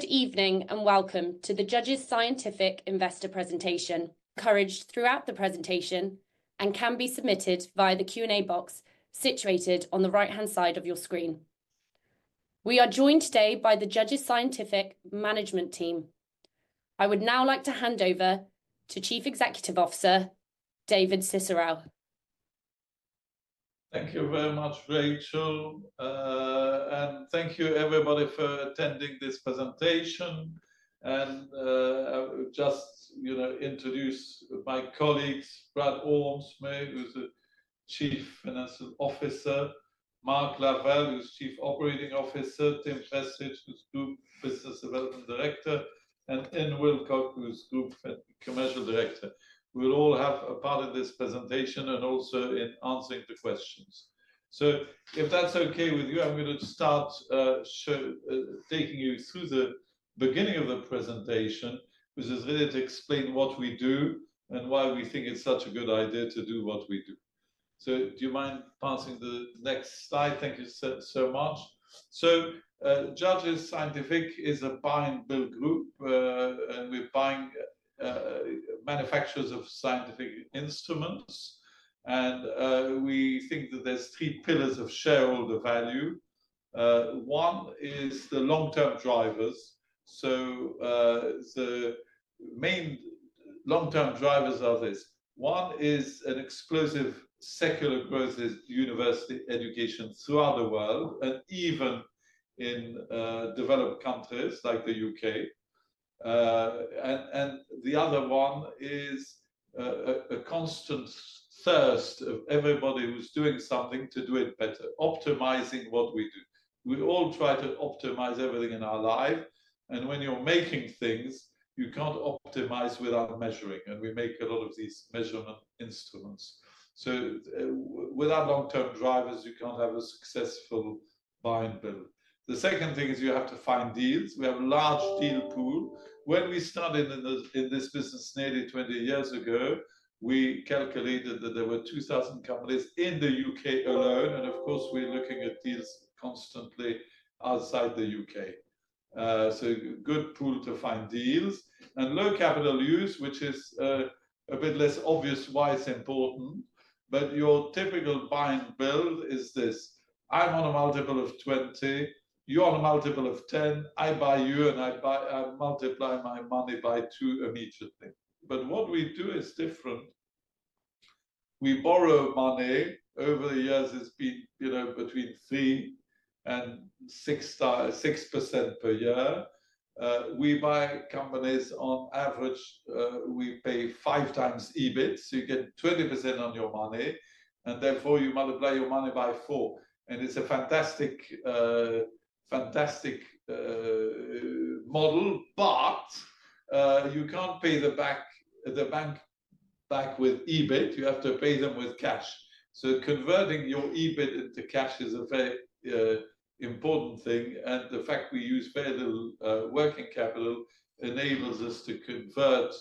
Good evening and welcome to the Judges Scientific Investor Presentation. Questions are encouraged throughout the presentation and can be submitted via the Q&A box situated on the right-hand side of your screen. We are joined today by the Judges Scientific Management Team. I would now like to hand over to Chief Executive Officer David Cicurel. Thank you very much, Rachel. Thank you, everybody, for attending this presentation. I would just, you know, introduce my colleagues: Brad Ormsby, who's the Chief Financial Officer; Mark Lavelle, who's Chief Operating Officer; Tim Prestidge, who's Group Business Development Director; and Ian Wilcock, who's Group Commercial Director. We'll all have a part in this presentation and also in answering the questions. If that's okay with you, I'm going to start taking you through the beginning of the presentation, which is really to explain what we do and why we think it's such a good idea to do what we do. Do you mind passing the next slide? Thank you so much. Judges Scientific is a buy-and-build group, and we're buying manufacturers of scientific instruments. We think that there's three pillars of shareholder value. One is the long-term drivers. The main long-term drivers are this: one is an explosive secular growth in university education throughout the world and even in developed countries like the U.K. The other one is a constant thirst of everybody who's doing something to do it better, optimizing what we do. We all try to optimize everything in our life. When you're making things, you can't optimize without measuring. We make a lot of these measurement instruments. Without long-term drivers, you can't have a successful buy-and-build. The second thing is you have to find deals. We have a large deal pool. When we started in this business nearly 20 years ago, we calculated that there were 2,000 companies in the U.K. alone. Of course, we're looking at deals constantly outside the U.K. A good pool to find deals. Low capital use, which is a bit less obvious why it's important. Your typical buy-and-build is this: I'm on a multiple of 20. You're on a multiple of 10. I buy you, and I multiply my money by two immediately. What we do is different. We borrow money. Over the years, it's been, you know, between 3% and 6% per year. We buy companies on average; we pay five times EBIT, so you get 20% on your money. Therefore, you multiply your money by four. It's a fantastic model. You can't pay the bank back with EBIT. You have to pay them with cash. Converting your EBIT into cash is a very important thing. The fact we use very little working capital enables us to convert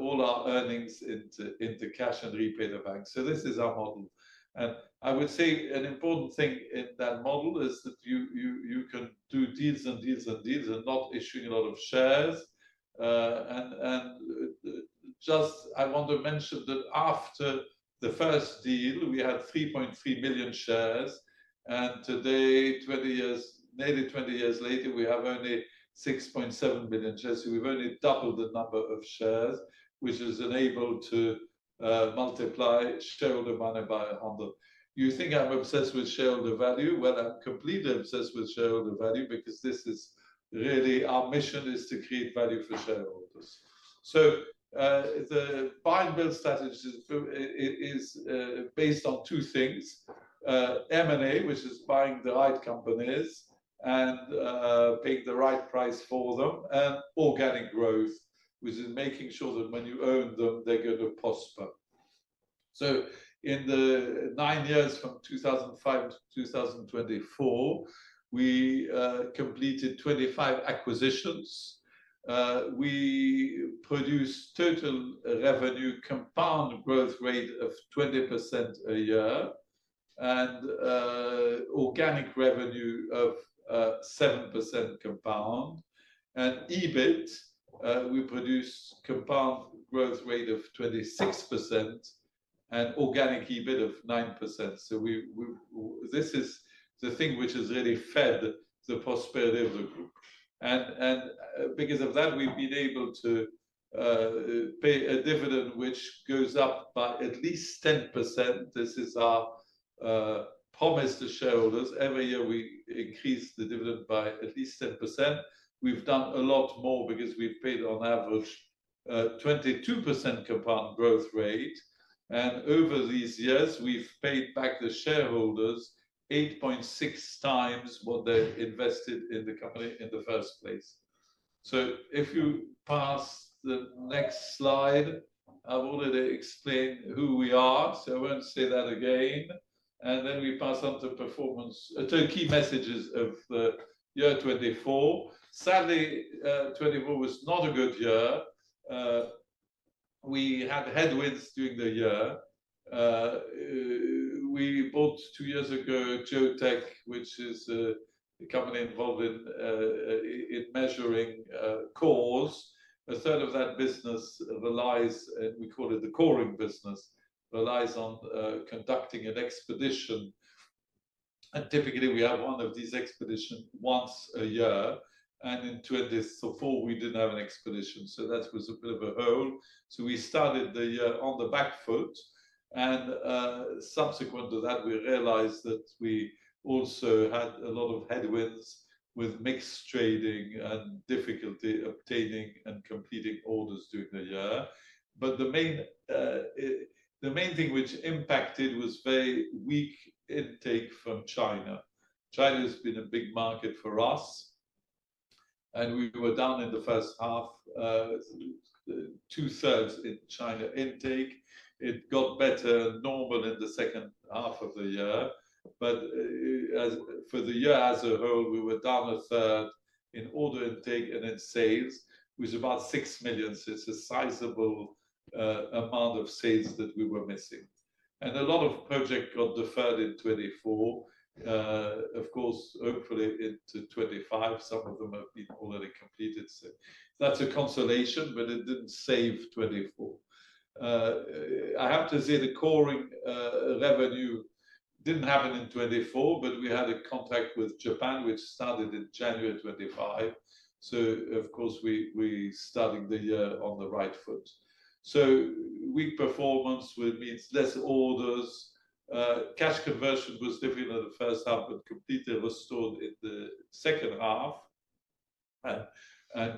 all our earnings into cash and repay the bank. This is our model. I would say an important thing in that model is that you can do deals and deals and deals and not issue a lot of shares. I want to mention that after the first deal, we had 3.3 million shares. Today, nearly 20 years later, we have only 6.7 million shares. We have only doubled the number of shares, which has enabled to multiply shareholder money by 100. You think I'm obsessed with shareholder value? I'm completely obsessed with shareholder value because this is really our mission: to create value for shareholders. The buy-and-build strategy is based on two things: M&A, which is buying the right companies and paying the right price for them, and organic growth, which is making sure that when you own them, they're going to prosper. In the nine years from 2005-2024, we completed 25 acquisitions. We produced total revenue compound growth rate of 20% a year and organic revenue of 7% compound. EBIT, we produced compound growth rate of 26% and organic EBIT of 9%. This is the thing which has really fed the prosperity of the group. Because of that, we've been able to pay a dividend which goes up by at least 10%. This is our promise to shareholders. Every year, we increase the dividend by at least 10%. We've done a lot more because we've paid on average 22% compound growth rate. Over these years, we've paid back the shareholders 8.6x what they invested in the company in the first place. If you pass the next slide, I wanted to explain who we are. I won't say that again. We pass on to performance, to key messages of the year 2024. Sadly, 2024 was not a good year. We had headwinds during the year. We bought two years ago Geotek, which is a company involved in measuring cores. A third of that business relies, and we call it the coring business, relies on conducting an expedition. Typically, we have one of these expeditions once a year. In 2024, we did not have an expedition. That was a bit of a hole. We started the year on the back foot. Subsequent to that, we realized that we also had a lot of headwinds with mixed trading and difficulty obtaining and completing orders during the year. The main thing which impacted was very weak intake from China. China has been a big market for us. We were down in the first half, two-thirds in China intake. It got better, normal in the second half of the year. For the year as a whole, we were down a third in order intake and in sales, which is about 6 million. It is a sizable amount of sales that we were missing. A lot of projects got deferred in 2024, hopefully into 2025. Some of them have been already completed. That is a consolation, but it did not save 2024. I have to say the coring revenue did not happen in 2024, but we had a contract with Japan, which started in January 2025. We started the year on the right foot. Weak performance, which means fewer orders. Cash conversion was difficult in the first half, but completely restored in the second half.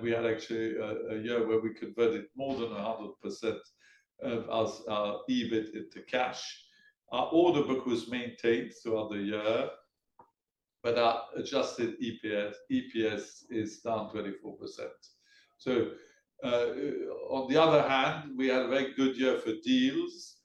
We had a year where we converted more than 100% of our EBIT into cash. Our order book was maintained throughout the year, but our adjusted EPS is down 24%. On the other hand, we had a very good year for deals.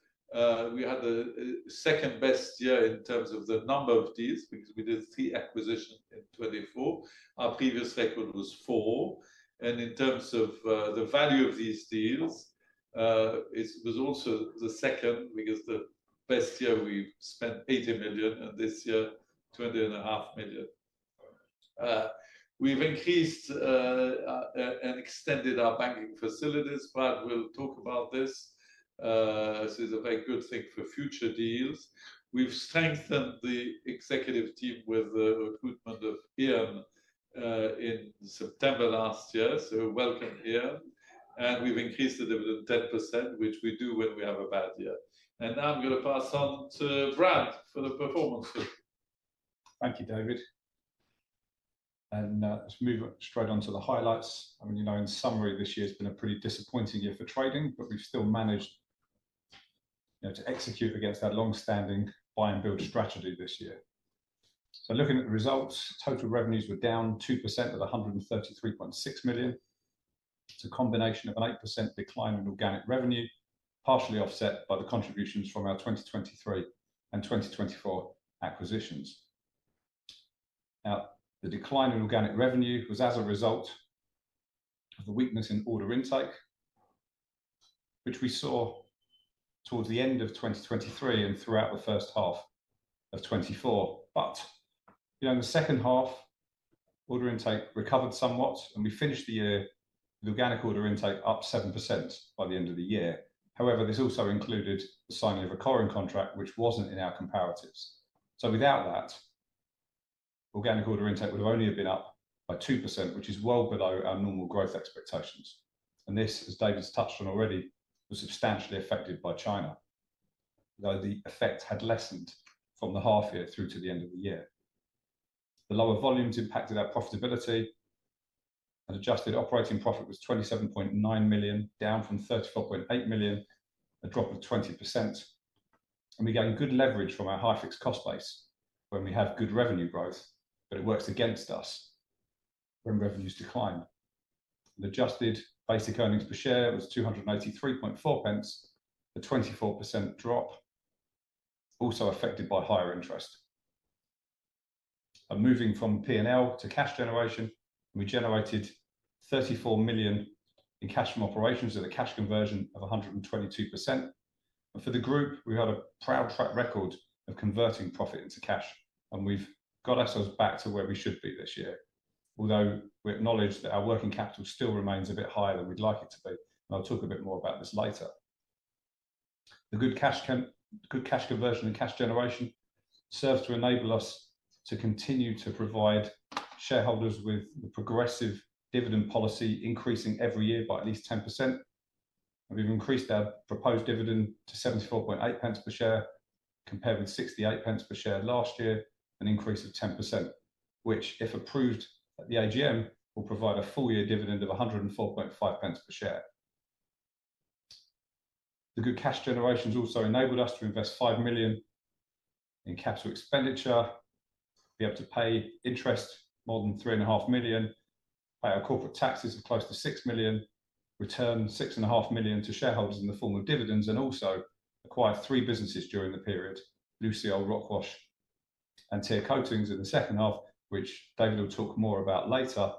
We had the second best year in terms of the number of deals because we did three acquisitions in 2024. Our previous record was four. In terms of the value of these deals, it was also the second because the best year we spent 80 million, and this year, 20.5 million. We have increased and extended our banking facilities, but we will talk about this. This is a very good thing for future deals. We have strengthened the executive team with the recruitment of Ian in September last year. Welcome, Ian. We have increased the dividend 10%, which we do when we have a bad year. Now I am going to pass on to Brad for the performance. Thank you, David. Let's move straight on to the highlights. I mean, you know, in summary, this year has been a pretty disappointing year for trading, but we've still managed to execute against that long-standing buy-and-build strategy this year. Looking at the results, total revenues were down 2% at 133.6 million. It's a combination of an 8% decline in organic revenue, partially offset by the contributions from our 2023 and 2024 acquisitions. The decline in organic revenue was as a result of a weakness in order intake, which we saw towards the end of 2023 and throughout the first half of 2024. In the second half, order intake recovered somewhat, and we finished the year with organic order intake up 7% by the end of the year. However, this also included the signing of a coring contract, which was not in our comparatives. Without that, organic order intake would have only been up by 2%, which is well below our normal growth expectations. This, as David's touched on already, was substantially affected by China. The effect had lessened from the half year through to the end of the year. The lower volumes impacted our profitability. An adjusted operating profit was 27.9 million, down from 34.8 million, a drop of 20%. We gained good leverage from our high fixed cost base when we have good revenue growth, but it works against us when revenues decline. The adjusted basic earnings per share was 2.834, a 24% drop, also affected by higher interest. Moving from P&L to cash generation, we generated 34 million in cash from operations with a cash conversion of 122%. For the group, we had a proud track record of converting profit into cash. We have got ourselves back to where we should be this year, although we acknowledge that our working capital still remains a bit higher than we would like it to be. I will talk a bit more about this later. The good cash conversion and cash generation serves to enable us to continue to provide shareholders with the progressive dividend policy, increasing every year by at least 10%. We have increased our proposed dividend to 0.748 per share, compared with 0.68 per share last year, an increase of 10%, which, if approved at the AGM, will provide a full year dividend of 1.045 per share. The good cash generation has also enabled us to invest 5 million in capital expenditure, be able to pay interest more than 3.5 million, pay our corporate taxes of close to 6 million, return 6.5 million to shareholders in the form of dividends, and also acquired three businesses during the period: Lucio, Rockwash, and TIR Coatings in the second half, which David will talk more about later.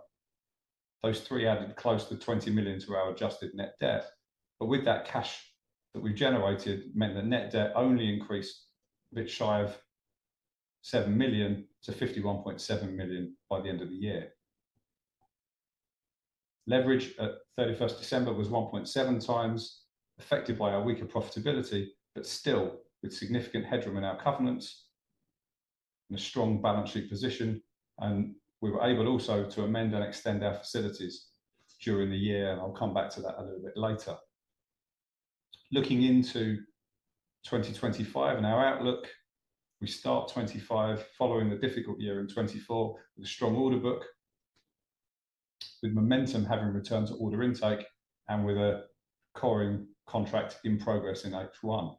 Those three added close to 20 million to our adjusted net debt. With that cash that we've generated meant that net debt only increased a bit shy of 7 million-51.7 million by the end of the year. Leverage at 31 December was 1.7x affected by our weaker profitability, still with significant headroom in our covenants and a strong balance sheet position. We were able also to amend and extend our facilities during the year. I'll come back to that a little bit later. Looking into 2025 and our outlook, we start 2025 following a difficult year in 2024 with a strong order book, with momentum having returned to order intake and with a coring contract in progress in H1.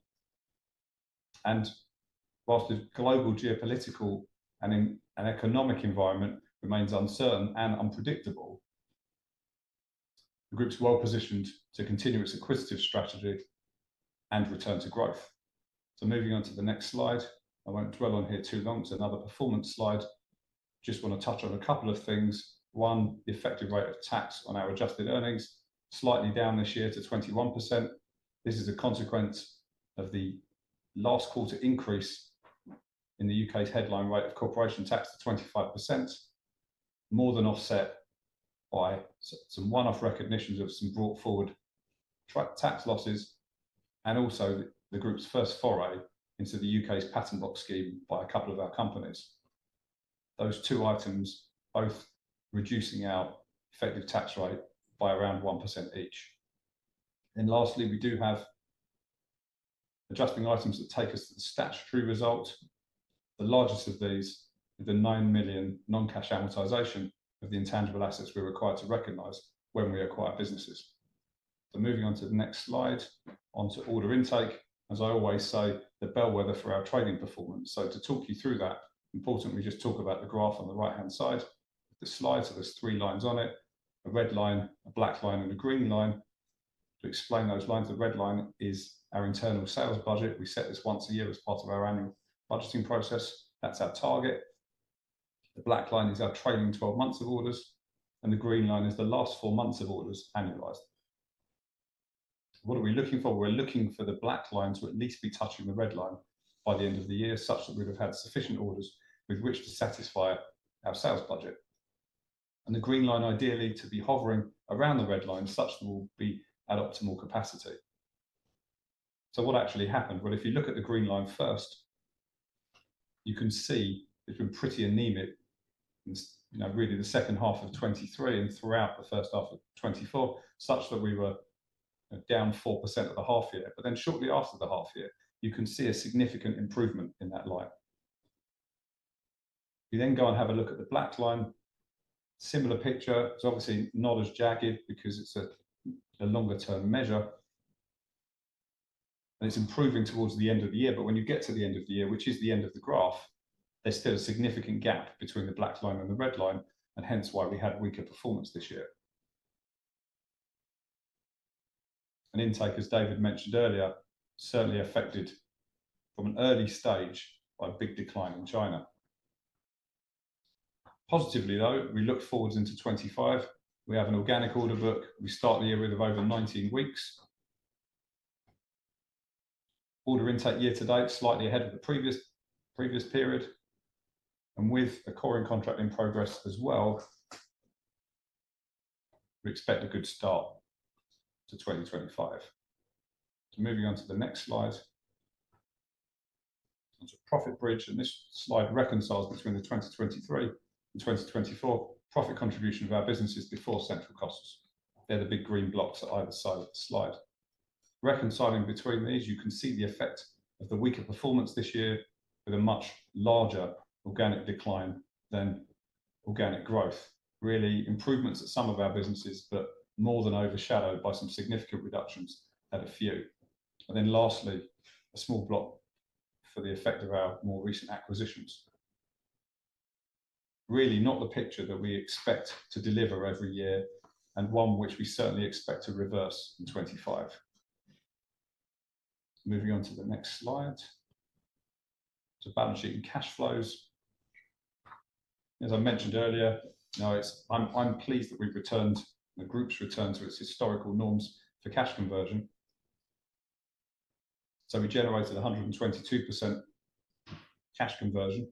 Whilst the global geopolitical and economic environment remains uncertain and unpredictable, the group is well positioned to continue its acquisitive strategy and return to growth. Moving on to the next slide, I will not dwell on here too long. It is another performance slide. I just want to touch on a couple of things. One, the effective rate of tax on our adjusted earnings is slightly down this year to 21%. This is a consequence of the last quarter increase in the U.K.'s headline rate of corporation tax to 25%, more than offset by some one-off recognitions of some brought forward tax losses and also the group's first foray into the U.K.'s Patent Box scheme by a couple of our companies. Those two items both reducing our effective tax rate by around 1% each. Lastly, we do have adjusting items that take us to the statutory result. The largest of these is the 9 million non-cash amortization of the intangible assets we're required to recognize when we acquire businesses. Moving on to the next slide, onto order intake. As I always say, the bellwether for our trading performance. To talk you through that, importantly, we just talk about the graph on the right-hand side. The slides have three lines on it: a red line, a black line, and a green line. To explain those lines, the red line is our internal sales budget. We set this once a year as part of our annual budgeting process. That's our target. The black line is our trailing 12 months of orders, and the green line is the last four months of orders annualized. What are we looking for? We're looking for the black line to at least be touching the red line by the end of the year, such that we would have had sufficient orders with which to satisfy our sales budget. The green line ideally to be hovering around the red line such that we'll be at optimal capacity. What actually happened? If you look at the green line first, you can see it's been pretty anemic in really the second half of 2023 and throughout the first half of 2024, such that we were down 4% at the half year. Shortly after the half year, you can see a significant improvement in that line. We then go and have a look at the black line. Similar picture. It's obviously not as jagged because it's a longer-term measure. It's improving towards the end of the year. When you get to the end of the year, which is the end of the graph, there's still a significant gap between the black line and the red line, and hence why we had weaker performance this year. Intake, as David mentioned earlier, certainly affected from an early stage by a big decline in China. Positively, though, we look forward into 2025. We have an organic order book. We start the year with over 19 weeks. Order intake year to date slightly ahead of the previous period. With a coring contract in progress as well, we expect a good start to 2025. Moving on to the next slide. Onto Profit Bridge. This slide reconciles between the 2023 and 2024 profit contribution of our businesses before central costs. They are the big green blocks on either side of the slide. Reconciling between these, you can see the effect of the weaker performance this year with a much larger organic decline than organic growth. Really improvements at some of our businesses, but more than overshadowed by some significant reductions at a few. Lastly, a small block for the effect of our more recent acquisitions. Really not the picture that we expect to deliver every year and one which we certainly expect to reverse in 2025. Moving on to the next slide. To balance sheet and cash flows. As I mentioned earlier, I'm pleased that we've returned the group's return to its historical norms for cash conversion. We generated 122% cash conversion,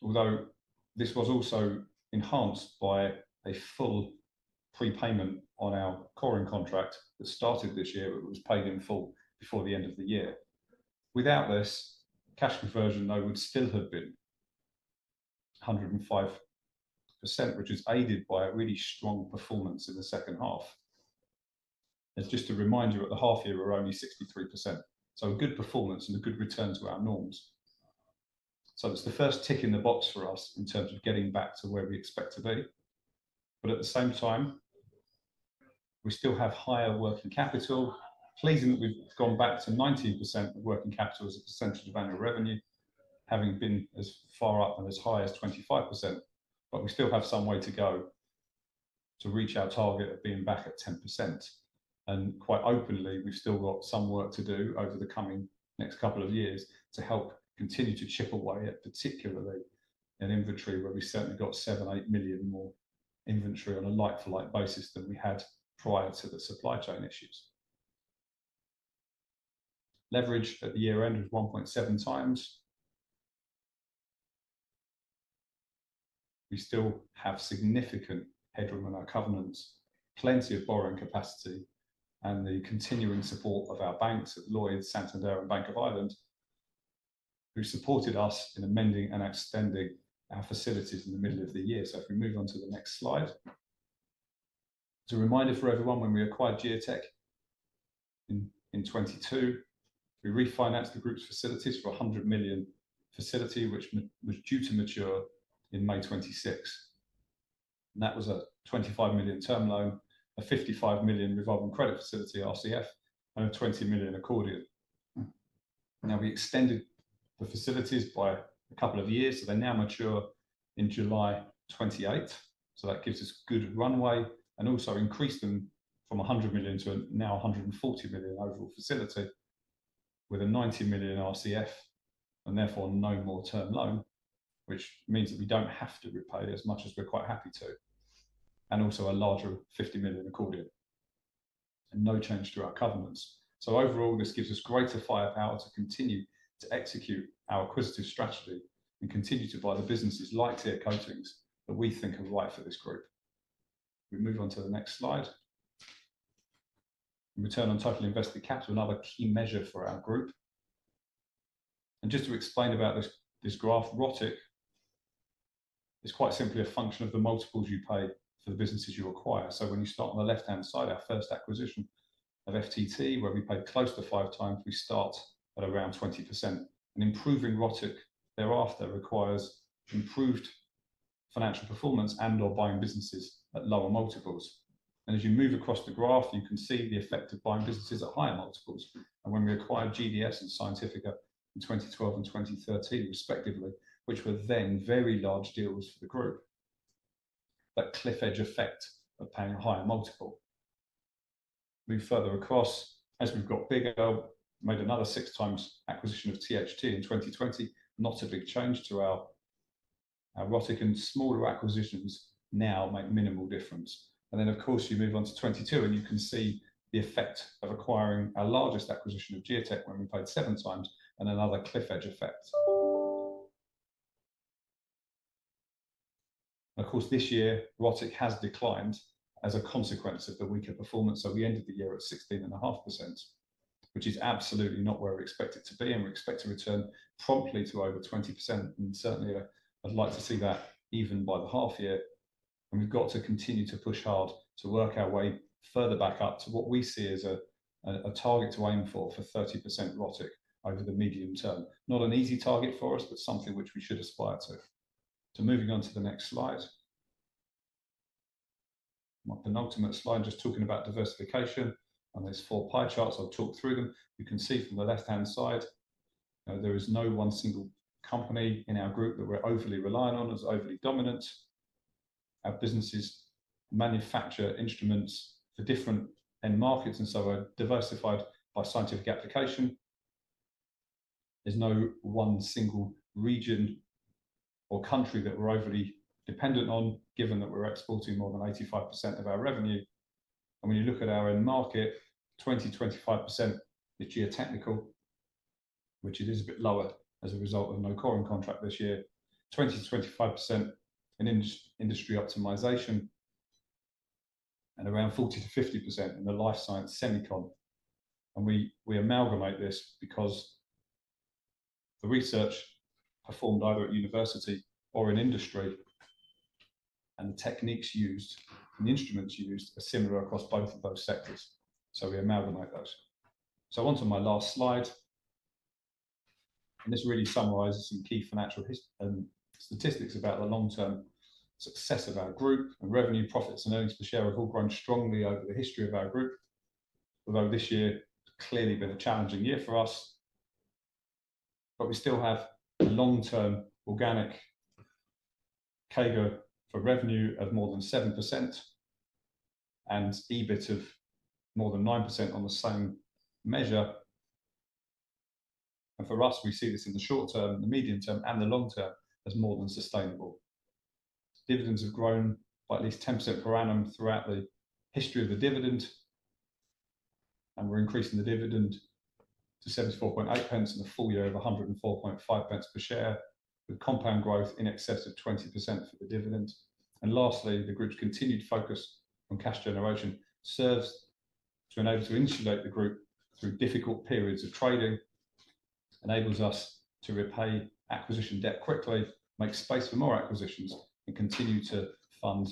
although this was also enhanced by a full prepayment on our coring contract that started this year, but was paid in full before the end of the year. Without this, cash conversion, though, would still have been 105%, which is aided by a really strong performance in the second half. Just to remind you, at the half year, we were only 63%. Good performance and a good return to our norms. It is the first tick in the box for us in terms of getting back to where we expect to be. At the same time, we still have higher working capital. Pleasing that we have gone back to 19% of working capital as a percentage of annual revenue, having been as far up and as high as 25%, but we still have some way to go to reach our target of being back at 10%. Quite openly, we have still got some work to do over the coming next couple of years to help continue to chip away at particularly an inventory where we certainly got 7 million-8 million more inventory on a like-for-like basis than we had prior to the supply chain issues. Leverage at the year-end was 1.7x. We still have significant headroom in our covenants, plenty of borrowing capacity, and the continuing support of our banks at Lloyds, Santander, and Bank of Ireland, who supported us in amending and extending our facilities in the middle of the year. If we move on to the next slide. It is a reminder for everyone, when we acquired Geotek in 2022, we refinanced the group's facilities for 100 million facility, which was due to mature in May 2026. That was a 25 million term loan, a 55 million revolving credit facility, RCF, and a 20 million accordion. Now we extended the facilities by a couple of years, so they now mature in July 2028. That gives us good runway and also increased them from 100 million to now 140 million overall facility with a 90 million RCF and therefore no more term loan, which means that we do not have to repay as much as we are quite happy to, and also a larger 50 million accordion. No change to our covenants. Overall, this gives us greater firepower to continue to execute our acquisitive strategy and continue to buy the businesses like TIR Coatings that we think are right for this group. We move on to the next slide. Return on total invested capital, another key measure for our group. Just to explain about this graph, ROTIC, it is quite simply a function of the multiples you pay for the businesses you acquire. When you start on the left-hand side, our first acquisition of FTT, where we paid close to five times, we start at around 20%. Improving ROTIC thereafter requires improved financial performance and/or buying businesses at lower multiples. As you move across the graph, you can see the effect of buying businesses at higher multiples. When we acquired GDS and Scientifica in 2012 and 2013, respectively, which were then very large deals for the group, that cliff edge effect of paying a higher multiple. Move further across. As we have gotten bigger, made another six times acquisition of THT in 2020, not a big change to our ROTIC, and smaller acquisitions now make minimal difference. Of course, you move on to 2022, and you can see the effect of acquiring our largest acquisition of Geotek when we paid seven times and another cliff edge effect. Of course, this year, ROTIC has declined as a consequence of the weaker performance. We ended the year at 16.5%, which is absolutely not where we expect it to be. We expect to return promptly to over 20%. Certainly, I'd like to see that even by the half year. We have to continue to push hard to work our way further back up to what we see as a target to aim for, for 30% ROTIC over the medium term. Not an easy target for us, but something which we should aspire to. Moving on to the next slide. The penultimate slide, just talking about diversification on those four pie charts. I'll talk through them. You can see from the left-hand side, there is no one single company in our group that we're overly reliant on as overly dominant. Our businesses manufacture instruments for different end markets, and so are diversified by scientific application. There is no one single region or country that we are overly dependent on, given that we are exporting more than 85% of our revenue. When you look at our end market, 20%-25% is geotechnical, which is a bit lower as a result of no coring contract this year, 20%-25% in industry optimization, and around 40%-50% in the life science semiconductor. We amalgamate this because the research performed either at university or in industry, and the techniques used and the instruments used are similar across both of those sectors. We amalgamate those. Onto my last slide. This really summarizes some key financial statistics about the long-term success of our group. Revenue, profits, and earnings per share have all grown strongly over the history of our group, although this year has clearly been a challenging year for us. We still have a long-term organic CAGR for revenue of more than 7% and EBIT of more than 9% on the same measure. For us, we see this in the short term, the medium term, and the long term as more than sustainable. Dividends have grown by at least 10% per annum throughout the history of the dividend. We are increasing the dividend to 0.748 and a full year of 1.045 per share, with compound growth in excess of 20% for the dividend. Lastly, the group's continued focus on cash generation serves to enable us to insulate the group through difficult periods of trading, enables us to repay acquisition debt quickly, make space for more acquisitions, and continue to fund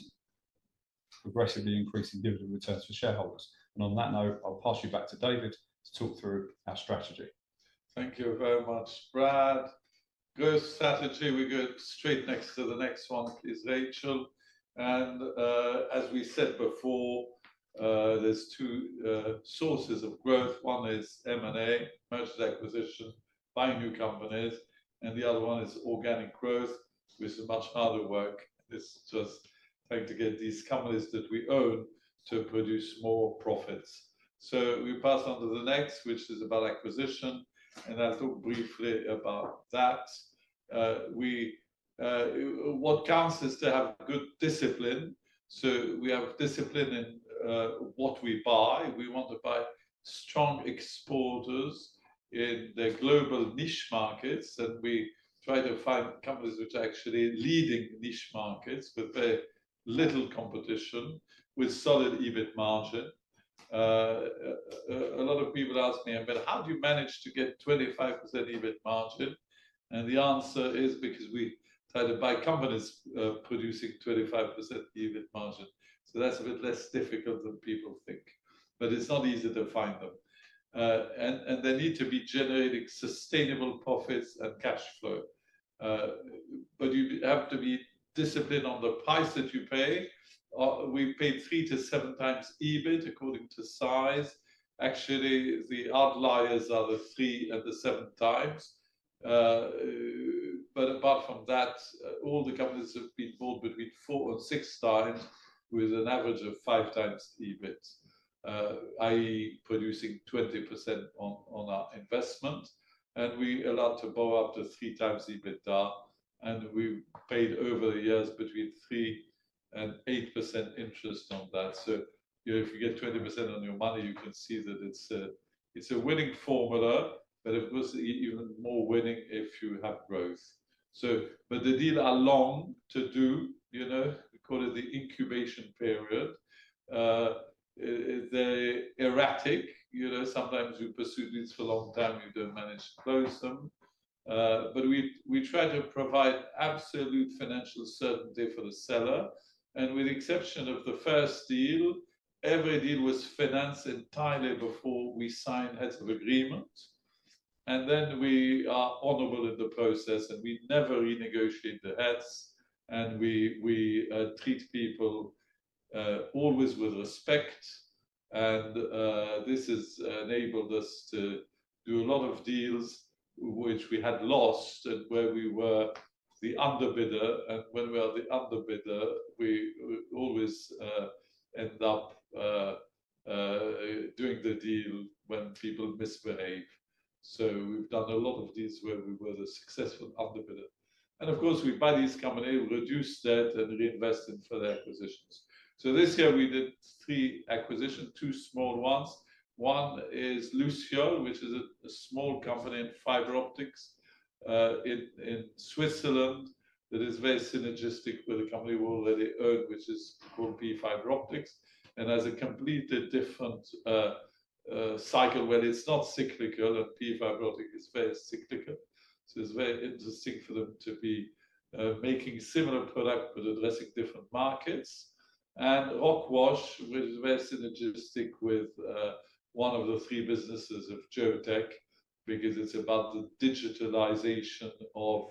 progressively increasing dividend returns for shareholders. On that note, I'll pass you back to David to talk through our strategy. Thank you very much, Brad. Good strategy. We're going straight next to the next one, is Rachel. As we said before, there are two sources of growth. One is M&A, mergers and acquisitions, buying new companies. The other one is organic growth, which is much harder work. It's just trying to get these companies that we own to produce more profits. We pass on to the next, which is about acquisition. I'll talk briefly about that. What counts is to have good discipline. We have discipline in what we buy. We want to buy strong exporters in the global niche markets. We try to find companies which are actually leading niche markets with very little competition, with solid EBIT margin. A lot of people ask me, "But how do you manage to get 25% EBIT margin?" The answer is because we try to buy companies producing 25% EBIT margin. That is a bit less difficult than people think. It is not easy to find them. They need to be generating sustainable profits and cash flow. You have to be disciplined on the price that you pay. We pay three to seven times EBIT according to size. Actually, the outliers are the three and the seven times. Apart from that, all the companies have been bought between four and six times with an average of five times EBIT, i.e., producing 20% on our investment. We are allowed to borrow up to three times EBITDA. We paid over the years between 3%-8% interest on that. If you get 20% on your money, you can see that it's a winning formula, but it was even more winning if you have growth. The deals are long to do. We call it the incubation period. They're erratic. Sometimes you pursue deals for a long time, you don't manage to close them. We try to provide absolute financial certainty for the seller. With the exception of the first deal, every deal was financed entirely before we signed heads of agreement. We are honorable in the process, and we never renegotiate the heads. We treat people always with respect. This has enabled us to do a lot of deals which we had lost and where we were the underbidder. When we are the underbidder, we always end up doing the deal when people misbehave. We have done a lot of deals where we were the successful underbidder. Of course, we buy these companies, reduce debt, and reinvest in further acquisitions. This year, we did three acquisitions, two small ones. One is Lucio, which is a small company in fiber optics in Switzerland that is very synergistic with a company we already own, which is called P Fiber Optics. It has a completely different cycle. It is not cyclical, and P Fiber Optics is very cyclical. It is very interesting for them to be making similar products but addressing different markets. Rockwash, which is very synergistic with one of the three businesses of Geotek because it's about the digitalization of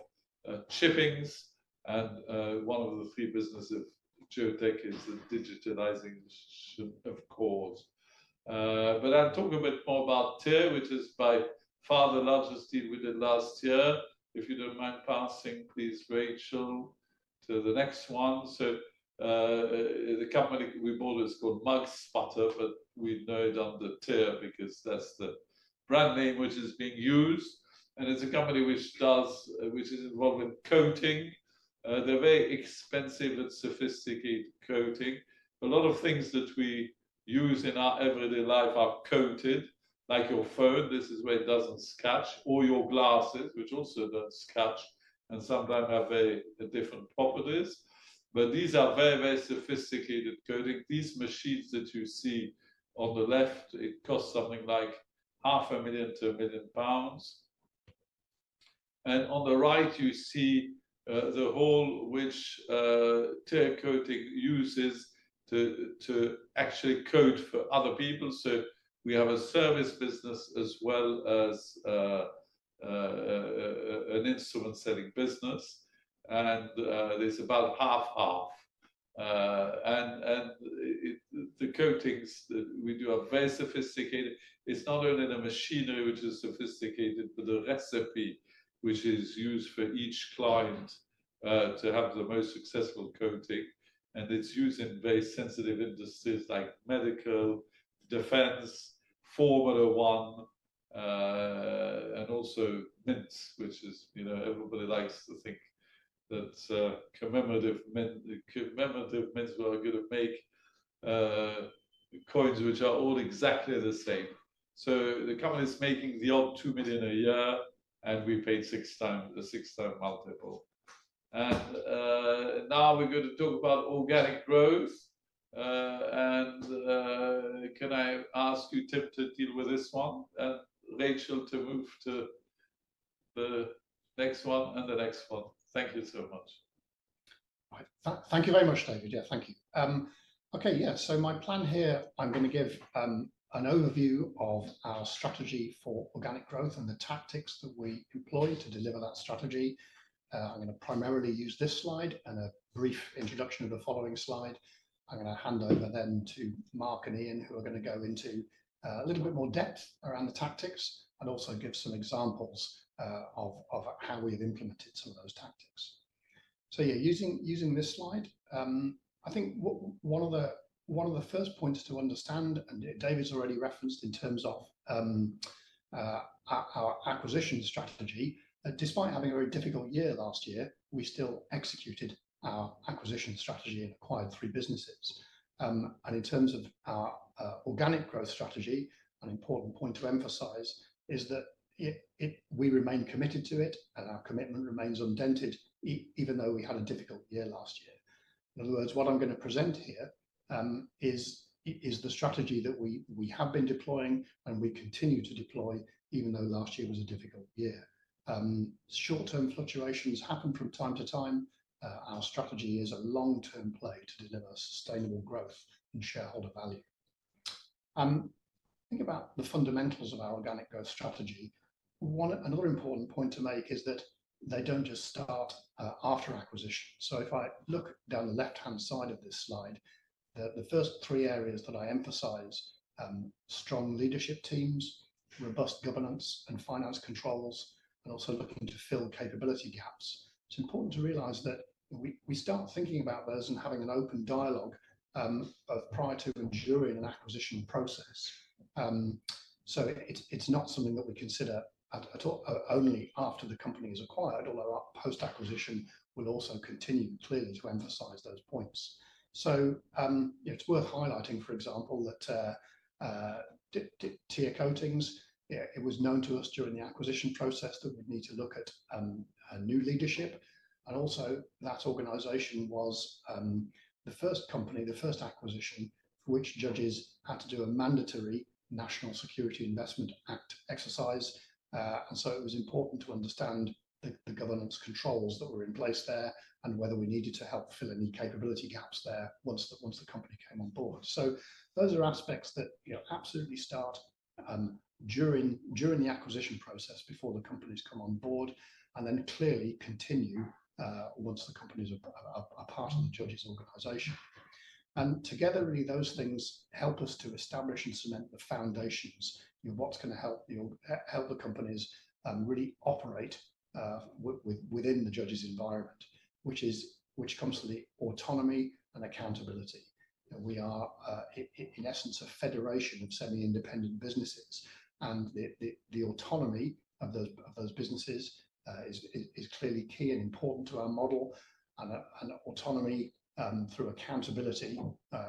shippings. One of the three businesses of Geotek is the digitalization of cores. I'll talk a bit more about TIR, which is by far the largest deal we did last year. If you don't mind passing, please, Rachel, to the next one. The company we bought is called Mugsbutter, but we know it under TIR because that's the brand name which is being used. It's a company which is involved in coating. They're very expensive and sophisticated coating. A lot of things that we use in our everyday life are coated, like your phone. This is where it doesn't scratch, or your glasses, which also don't scratch and sometimes have very different properties. These are very, very sophisticated coatings. These machines that you see on the left, it costs something like 500,000-1 million. On the right, you see the hole which TIR Coatings uses to actually coat for other people. We have a service business as well as an instrument-selling business. It is about half-half. The coatings that we do are very sophisticated. It is not only the machinery which is sophisticated, but the recipe which is used for each client to have the most successful coating. It is used in very sensitive industries like medical, defense, Formula 1, and also mints, which everybody likes to think that commemorative mints were going to make coins which are all exactly the same. The company is making the odd 2 million a year, and we paid six times the six-time multiple. Now we are going to talk about organic growth. Can I ask you, Tim, to deal with this one? Rachel, move to the next one and the next one. Thank you so much. Thank you very much, David. Yeah, thank you. Okay, yeah. My plan here, I'm going to give an overview of our strategy for organic growth and the tactics that we employ to deliver that strategy. I'm going to primarily use this slide and a brief introduction of the following slide. I'm going to hand over then to Mark and Ian, who are going to go into a little bit more depth around the tactics and also give some examples of how we have implemented some of those tactics. Yeah, using this slide, I think one of the first points to understand, and David's already referenced in terms of our acquisition strategy, despite having a very difficult year last year, we still executed our acquisition strategy and acquired three businesses. In terms of our organic growth strategy, an important point to emphasize is that we remain committed to it, and our commitment remains undented even though we had a difficult year last year. In other words, what I'm going to present here is the strategy that we have been deploying and we continue to deploy even though last year was a difficult year. Short-term fluctuations happen from time to time. Our strategy is a long-term play to deliver sustainable growth and shareholder value. Think about the fundamentals of our organic growth strategy. Another important point to make is that they don't just start after acquisition. If I look down the left-hand side of this slide, the first three areas that I emphasize are strong leadership teams, robust governance and finance controls, and also looking to fill capability gaps. It's important to realize that we start thinking about those and having an open dialogue prior to and during an acquisition process. It's not something that we consider only after the company is acquired, although post-acquisition we will also continue clearly to emphasize those points. It's worth highlighting, for example, that TIR Coatings, it was known to us during the acquisition process that we'd need to look at new leadership. Also, that organization was the first company, the first acquisition for which Judges had to do a mandatory National Security Investment Act exercise. It was important to understand the governance controls that were in place there and whether we needed to help fill any capability gaps there once the company came on board. Those are aspects that absolutely start during the acquisition process before the companies come on board and then clearly continue once the companies are part of the Judges organization. Together, really, those things help us to establish and cement the foundations of what is going to help the companies really operate within the Judges environment, which comes to the autonomy and accountability. We are, in essence, a federation of semi-independent businesses. The autonomy of those businesses is clearly key and important to our model. Autonomy through accountability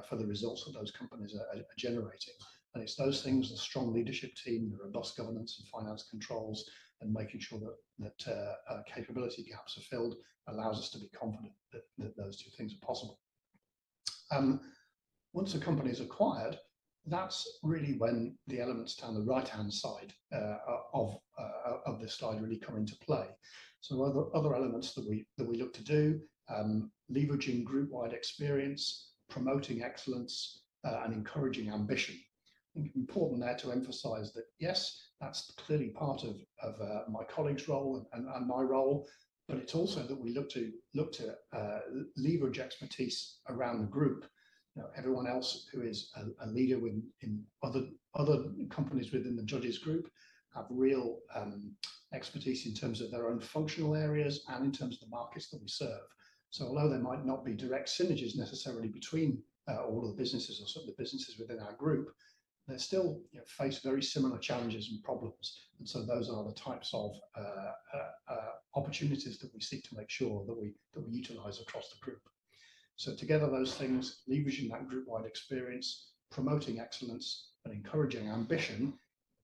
for the results that those companies are generating. It is those things, the strong leadership team, the robust governance and finance controls, and making sure that capability gaps are filled that allow us to be confident that those two things are possible. Once a company is acquired, that is really when the elements down the right-hand side of this slide really come into play. Other elements that we look to do include leveraging group-wide experience, promoting excellence, and encouraging ambition. I think it is important there to emphasize that, yes, that is clearly part of my colleague's role and my role, but it is also that we look to leverage expertise around the group. Everyone else who is a leader in other companies within the Judges group has real expertise in terms of their own functional areas and in terms of the markets that we serve. Although there might not be direct synergies necessarily between all of the businesses or some of the businesses within our group, they still face very similar challenges and problems. Those are the types of opportunities that we seek to make sure that we utilize across the group. Together, those things, leveraging that group-wide experience, promoting excellence, and encouraging ambition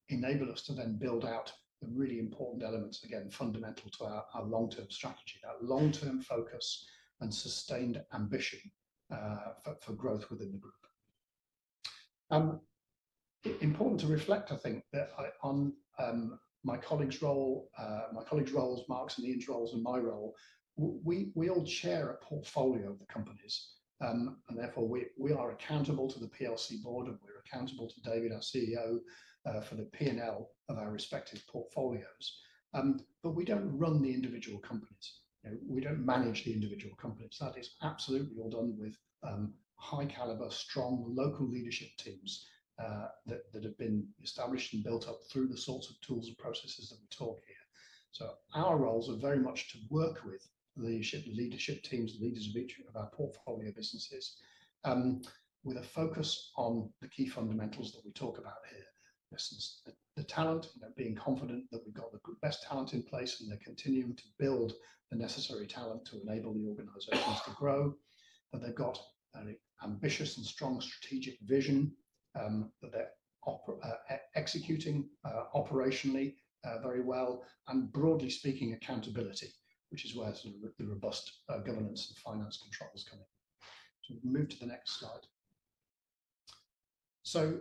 enable us to then build out the really important elements, again, fundamental to our long-term strategy, that long-term focus and sustained ambition for growth within the group. Important to reflect, I think, that on my colleague's role, my colleagues' roles, Mark and Ian roles, and my role, we all share a portfolio of companies. Therefore, we are accountable to the PLC board, and we are accountable to David, our CEO, for the P&L of our respective portfolios. We do not run the individual companies. We do not manage the individual companies. That is absolutely all done with high-caliber, strong local leadership teams that have been established and built up through the sorts of tools and processes that we talk here. Our roles are very much to work with leadership, leadership teams, leaders of each of our portfolio businesses, with a focus on the key fundamentals that we talk about here. The talent, being confident that we have the best talent in place and they are continuing to build the necessary talent to enable the organizations to grow, that they have an ambitious and strong strategic vision, that they are executing operationally very well, and broadly speaking, accountability, which is where the robust governance and finance controls come in. We will move to the next slide.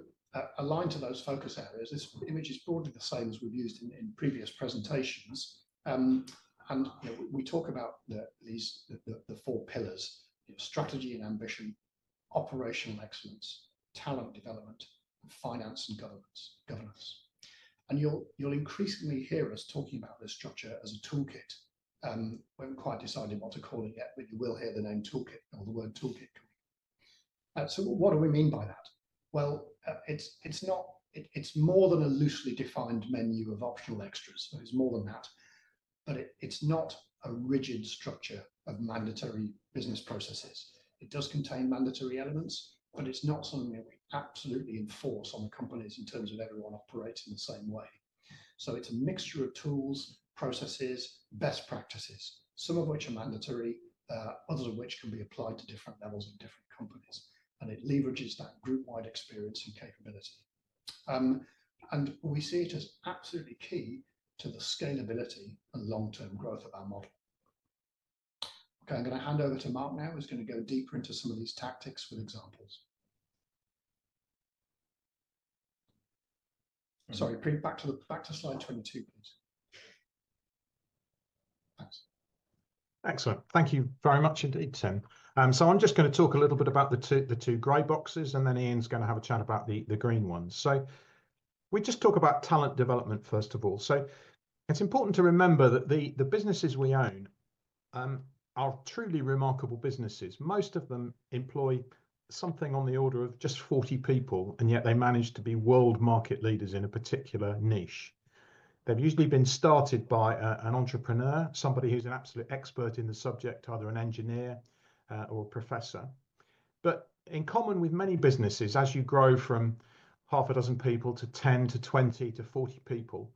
Aligned to those focus areas, this image is broadly the same as we have used in previous presentations. We talk about the four pillars: strategy and ambition, operational excellence, talent development, finance, and governance. You will increasingly hear us talking about this structure as a toolkit. We have not quite decided what to call it yet, but you will hear the name toolkit or the word toolkit coming. What do we mean by that? It is more than a loosely defined menu of optional extras. It is more than that. It is not a rigid structure of mandatory business processes. It does contain mandatory elements, but it is not something that we absolutely enforce on the companies in terms of everyone operating the same way. It is a mixture of tools, processes, best practices, some of which are mandatory, others of which can be applied to different levels of different companies. It leverages that group-wide experience and capability. We see it as absolutely key to the scalability and long-term growth of our model. Okay, I'm going to hand over to Mark now. He's going to go deeper into some of these tactics with examples. Sorry, back to slide 22, please. Excellent. Thank you very much indeed, Tim. I'm just going to talk a little bit about the two grey boxes, and then Ian's going to have a chat about the green ones. We just talk about talent development, first of all. It's important to remember that the businesses we own are truly remarkable businesses. Most of them employ something on the order of just 40 people, and yet they manage to be world market leaders in a particular niche. They've usually been started by an entrepreneur, somebody who's an absolute expert in the subject, either an engineer or a professor. In common with many businesses, as you grow from half a dozen people to 10-20-40 people,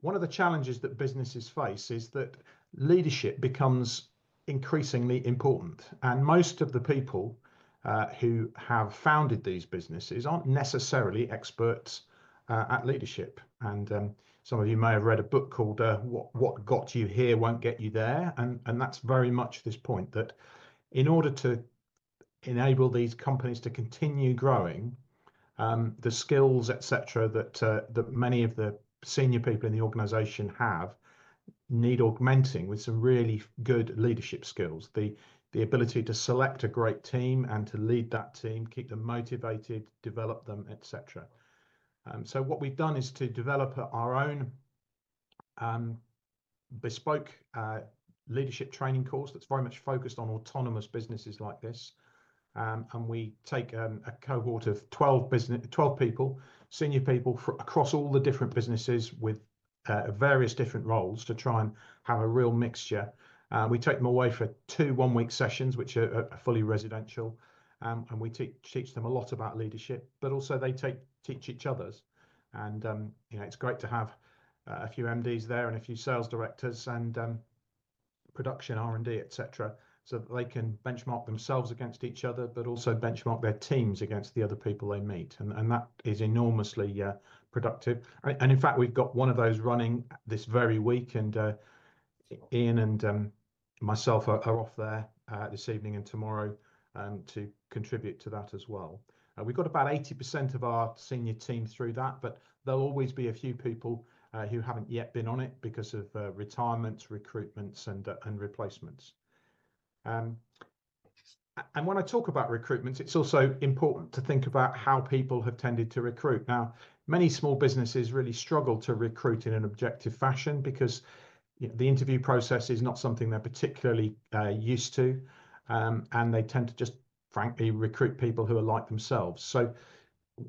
one of the challenges that businesses face is that leadership becomes increasingly important. Most of the people who have founded these businesses are not necessarily experts at leadership. Some of you may have read a book called What Got You Here Won't Get You There. That is very much this point that in order to enable these companies to continue growing, the skills, etc., that many of the senior people in the organization have need augmenting with some really good leadership skills, the ability to select a great team and to lead that team, keep them motivated, develop them, etc. What we have done is to develop our own bespoke leadership training course that is very much focused on autonomous businesses like this. We take a cohort of 12 people, senior people across all the different businesses with various different roles to try and have a real mixture. We take them away for two one-week sessions, which are fully residential. We teach them a lot about leadership, but also they teach each other. It is great to have a few MDs there and a few sales directors and production, R&D, etc., so that they can benchmark themselves against each other, but also benchmark their teams against the other people they meet. That is enormously productive. In fact, we have got one of those running this very week. Ian and myself are off there this evening and tomorrow to contribute to that as well. We've got about 80% of our senior team through that, but there'll always be a few people who haven't yet been on it because of retirements, recruitments, and replacements. When I talk about recruitments, it's also important to think about how people have tended to recruit. Now, many small businesses really struggle to recruit in an objective fashion because the interview process is not something they're particularly used to. They tend to just, frankly, recruit people who are like themselves.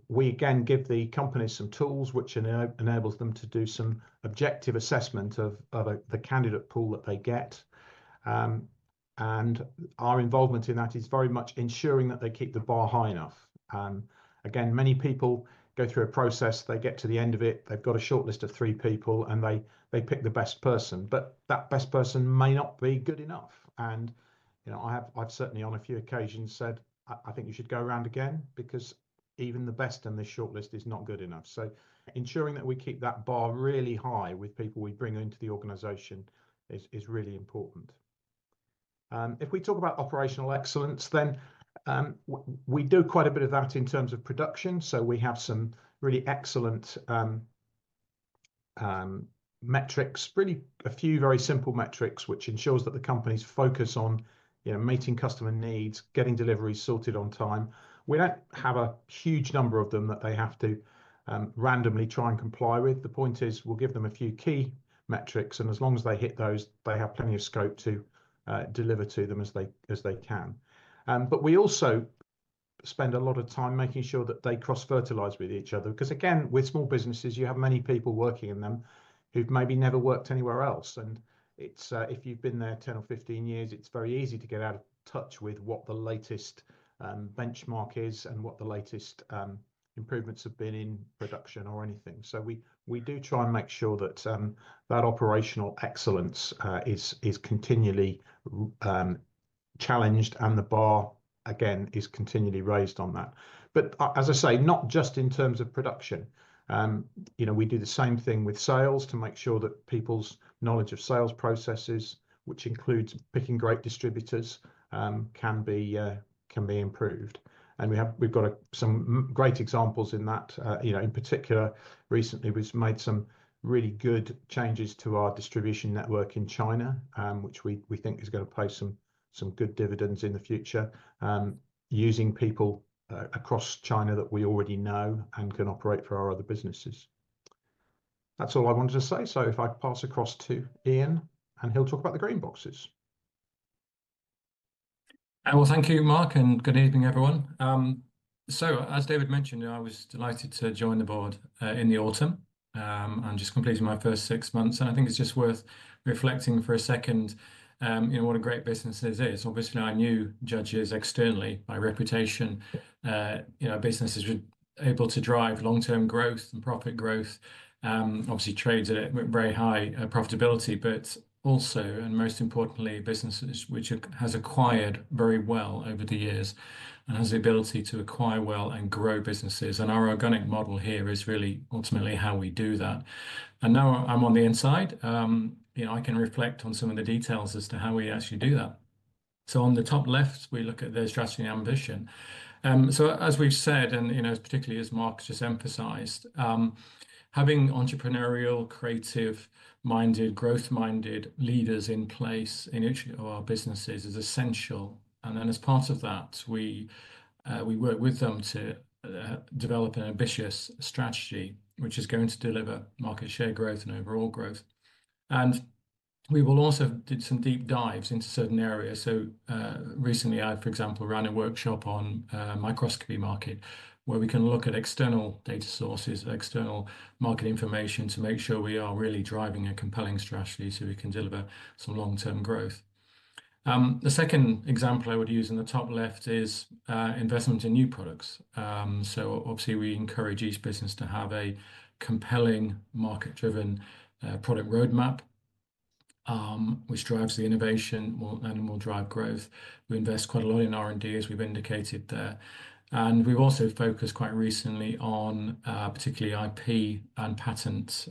We, again, give the companies some tools, which enables them to do some objective assessment of the candidate pool that they get. Our involvement in that is very much ensuring that they keep the bar high enough. Again, many people go through a process. They get to the end of it. They've got a shortlist of three people, and they pick the best person. That best person may not be good enough. I've certainly, on a few occasions, said, "I think you should go around again because even the best on this shortlist is not good enough." Ensuring that we keep that bar really high with people we bring into the organization is really important. If we talk about operational excellence, we do quite a bit of that in terms of production. We have some really excellent metrics, really a few very simple metrics, which ensures that the companies focus on meeting customer needs, getting deliveries sorted on time. We do not have a huge number of them that they have to randomly try and comply with. The point is we will give them a few key metrics. As long as they hit those, they have plenty of scope to deliver to them as they can. We also spend a lot of time making sure that they cross-fertilize with each other. With small businesses, you have many people working in them who have maybe never worked anywhere else. If you have been there 10 or 15 years, it is very easy to get out of touch with what the latest benchmark is and what the latest improvements have been in production or anything. We do try and make sure that operational excellence is continually challenged and the bar, again, is continually raised on that. Not just in terms of production. We do the same thing with sales to make sure that people's knowledge of sales processes, which includes picking great distributors, can be improved. We have some great examples in that. In particular, recently, we've made some really good changes to our distribution network in China, which we think is going to pay some good dividends in the future using people across China that we already know and can operate for our other businesses. That's all I wanted to say. If I pass across to Ian, he'll talk about the green boxes. Thank you, Mark, and good evening, everyone. As David mentioned, I was delighted to join the board in the autumn and just completing my first six months. I think it's just worth reflecting for a second what a great business this is. Obviously, I knew Judges externally by reputation. Our business is able to drive long-term growth and profit growth, obviously trades at very high profitability, but also, most importantly, businesses which have acquired very well over the years and have the ability to acquire well and grow businesses. Our organic model here is really ultimately how we do that. Now I'm on the inside. I can reflect on some of the details as to how we actually do that. On the top left, we look at the strategy and ambition. As we've said, particularly as Mark's just emphasized, having entrepreneurial, creative-minded, growth-minded leaders in place in each of our businesses is essential. As part of that, we work with them to develop an ambitious strategy which is going to deliver market share growth and overall growth. We will also have some deep dives into certain areas. Recently, I, for example, ran a workshop on microscopy market where we can look at external data sources, external market information to make sure we are really driving a compelling strategy so we can deliver some long-term growth. The second example I would use in the top left is investment in new products. Obviously, we encourage each business to have a compelling market-driven product roadmap, which drives the innovation and will drive growth. We invest quite a lot in R&D, as we've indicated there. We've also focused quite recently on particularly IP and patents,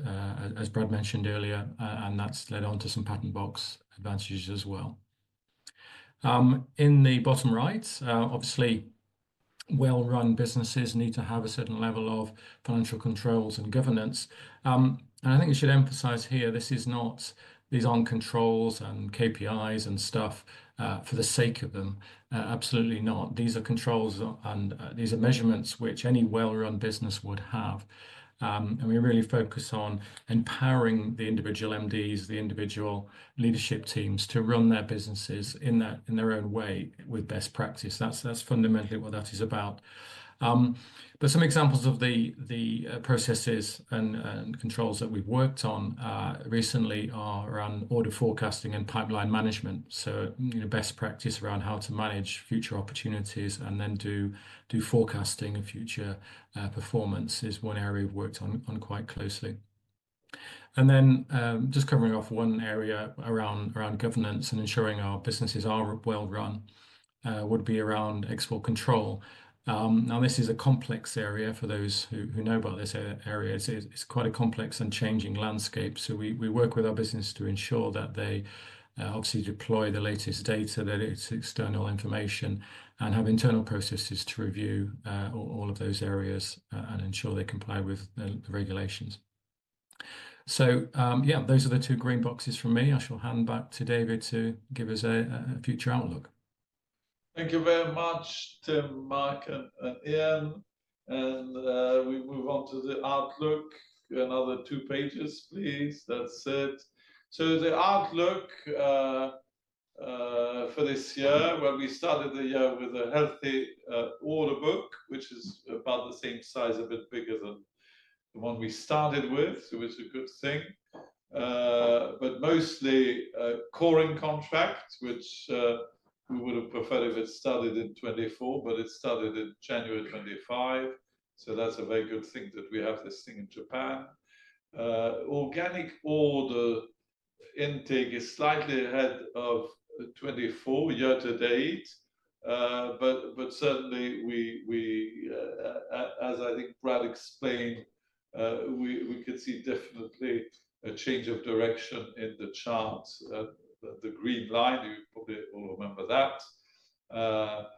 as Brad mentioned earlier, and that's led on to some Patent Box advantages as well. In the bottom right, obviously, well-run businesses need to have a certain level of financial controls and governance. I think I should emphasize here, these aren't controls and KPIs and stuff for the sake of them. Absolutely not. These are controls and these are measurements which any well-run business would have. We really focus on empowering the individual MDs, the individual leadership teams to run their businesses in their own way with best practice. That is fundamentally what that is about. Some examples of the processes and controls that we have worked on recently are around order forecasting and pipeline management. Best practice around how to manage future opportunities and then do forecasting of future performance is one area we have worked on quite closely. Just covering off one area around governance and ensuring our businesses are well-run would be around export control. This is a complex area for those who know about this area. It is quite a complex and changing landscape. We work with our business to ensure that they obviously deploy the latest data, that it's external information, and have internal processes to review all of those areas and ensure they comply with the regulations. Yeah, those are the two green boxes from me. I shall hand back to David to give us a future outlook. Thank you very much, Tim, Mark, and Ian. We move on to the outlook. Another two pages, please. That's it. The outlook for this year, we started the year with a healthy order book, which is about the same size, a bit bigger than the one we started with, which is a good thing. Mostly core in contracts, which we would have preferred if it started in 2024, but it started in January 2025. That is a very good thing that we have this thing in Japan. Organic order intake is slightly ahead of 2024 year-to-date. Certainly, as I think Brad explained, we could see definitely a change of direction in the chart. The green line, you probably all remember that.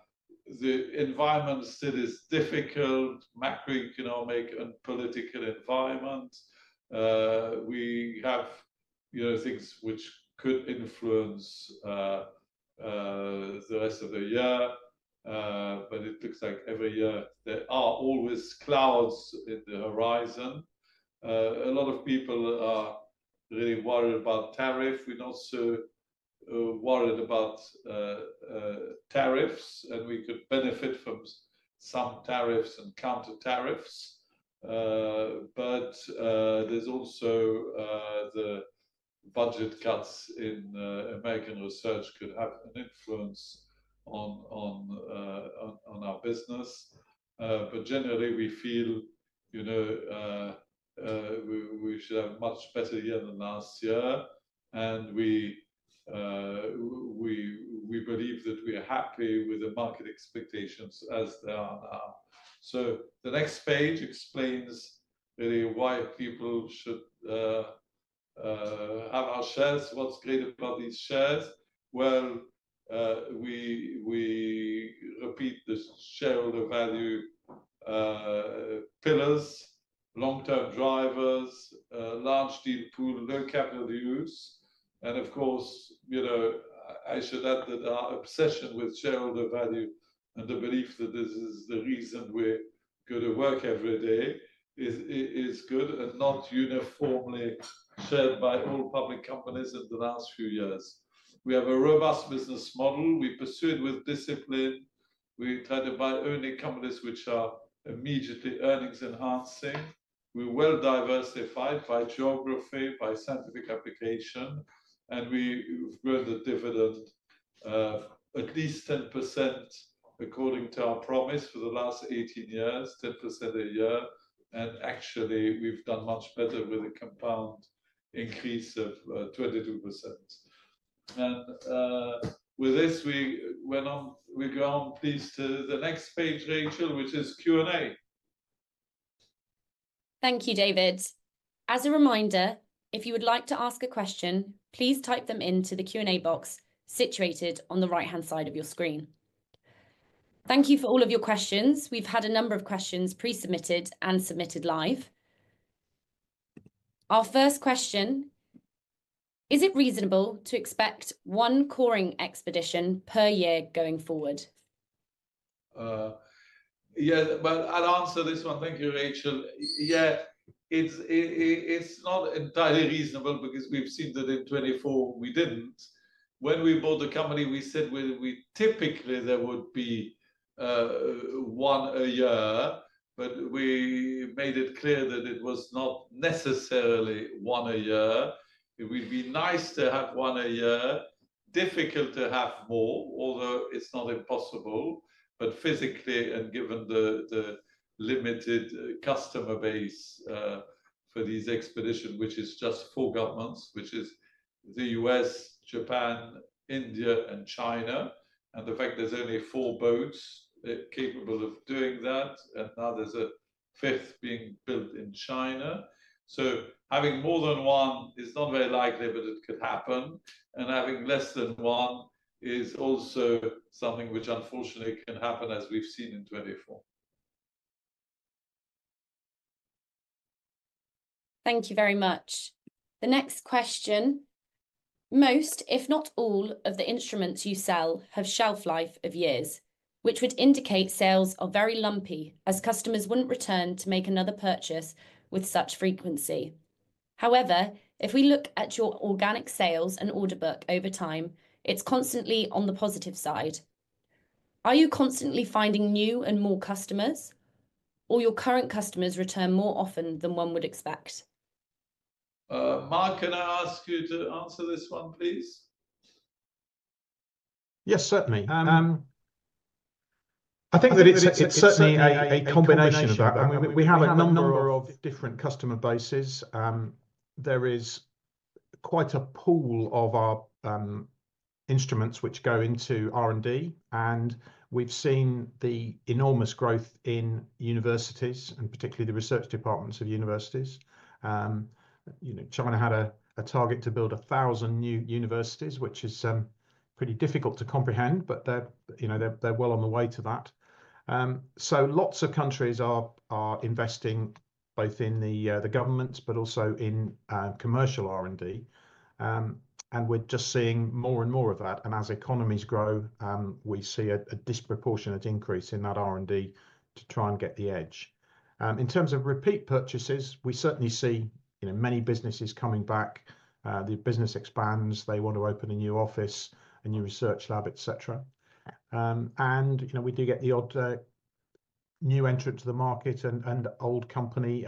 The environment still is difficult, macroeconomic and political environment. We have things which could influence the rest of the year. It looks like every year, there are always clouds in the horizon. A lot of people are really worried about tariffs. We're not so worried about tariffs, and we could benefit from some tariffs and counter tariffs. There is also the budget cuts in American research could have an influence on our business. Generally, we feel we should have a much better year than last year. We believe that we are happy with the market expectations as they are now. The next page explains really why people should have our shares. What's great about these shares? We repeat the shareholder value pillars, long-term drivers, large deal pool, low capital use. I should add that our obsession with shareholder value and the belief that this is the reason we're going to work every day is good and not uniformly shared by all public companies in the last few years. We have a robust business model. We pursued with discipline. We try to buy only companies which are immediately earnings-enhancing. We're well diversified by geography, by scientific application. We have grown the dividend at least 10% according to our promise for the last 18 years, 10% a year. Actually, we've done much better with a compound increase of 22%. With this, we're going to please to the next page, Rachel, which is Q&A. Thank you, David. As a reminder, if you would like to ask a question, please type them into the Q&A box situated on the right-hand side of your screen. Thank you for all of your questions. We've had a number of questions pre-submitted and submitted live. Our first question, is it reasonable to expect one coring expedition per year going forward? Yeah, I will answer this one. Thank you, Rachel. Yeah, it's not entirely reasonable because we've seen that in 2024, we did not. When we bought the company, we said typically there would be one a year, but we made it clear that it was not necessarily one a year. It would be nice to have one a year, difficult to have more, although it's not impossible. Physically, and given the limited customer base for these expeditions, which is just four governments, which is the U.S., Japan, India, and China, and the fact there are only four boats capable of doing that, and now there is a fifth being built in China. Having more than one is not very likely, but it could happen. Having less than one is also something which unfortunately can happen, as we have seen in 2024. Thank you very much. The next question, most, if not all, of the instruments you sell have shelf life of years, which would indicate sales are very lumpy as customers would not return to make another purchase with such frequency. However, if we look at your organic sales and order book over time, it is constantly on the positive side. Are you constantly finding new and more customers, or your current customers return more often than one would expect? Mark, can I ask you to answer this one, please? Yes, certainly. I think that it's certainly a combination of that. We have a number of different customer bases. There is quite a pool of our instruments which go into R&D, and we've seen the enormous growth in universities, and particularly the research departments of universities. China had a target to build 1,000 new universities, which is pretty difficult to comprehend, but they're well on the way to that. Lots of countries are investing both in the government, but also in commercial R&D. We're just seeing more and more of that. As economies grow, we see a disproportionate increase in that R&D to try and get the edge. In terms of repeat purchases, we certainly see many businesses coming back. The business expands. They want to open a new office, a new research lab, etc. We do get the odd new entrant to the market and old company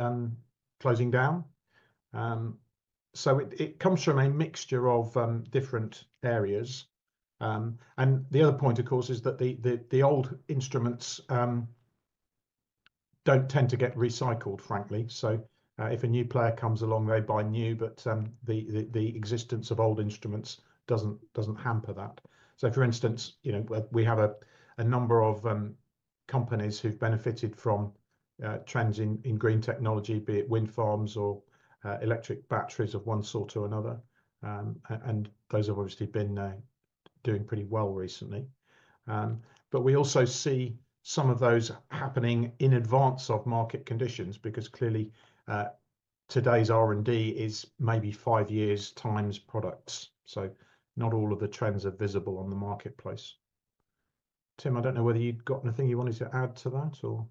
closing down. It comes from a mixture of different areas. The other point, of course, is that the old instruments do not tend to get recycled, frankly. If a new player comes along, they buy new, but the existence of old instruments does not hamper that. For instance, we have a number of companies who have benefited from trends in green technology, be it wind farms or electric batteries of one sort or another. Those have obviously been doing pretty well recently. We also see some of those happening in advance of market conditions because clearly today's R&D is maybe five years times products. Not all of the trends are visible on the marketplace. Tim, I do not know whether you have got anything you wanted to add to that or.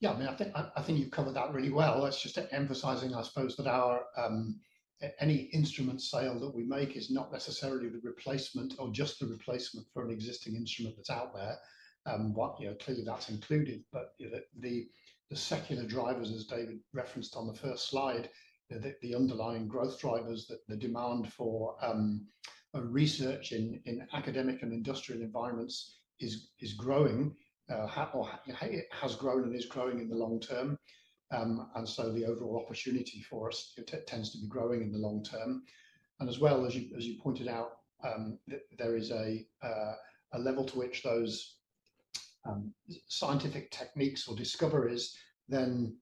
Yeah, I mean, I think you have covered that really well. That is just emphasizing, I suppose, that any instrument sale that we make is not necessarily the replacement or just the replacement for an existing instrument that is out there. Clearly, that is included, but the secular drivers, as David referenced on the first slide, the underlying growth drivers, the demand for research in academic and industrial environments is growing or has grown and is growing in the long term. The overall opportunity for us tends to be growing in the long term. As well, as you pointed out, there is a level to which those scientific techniques or discoveries then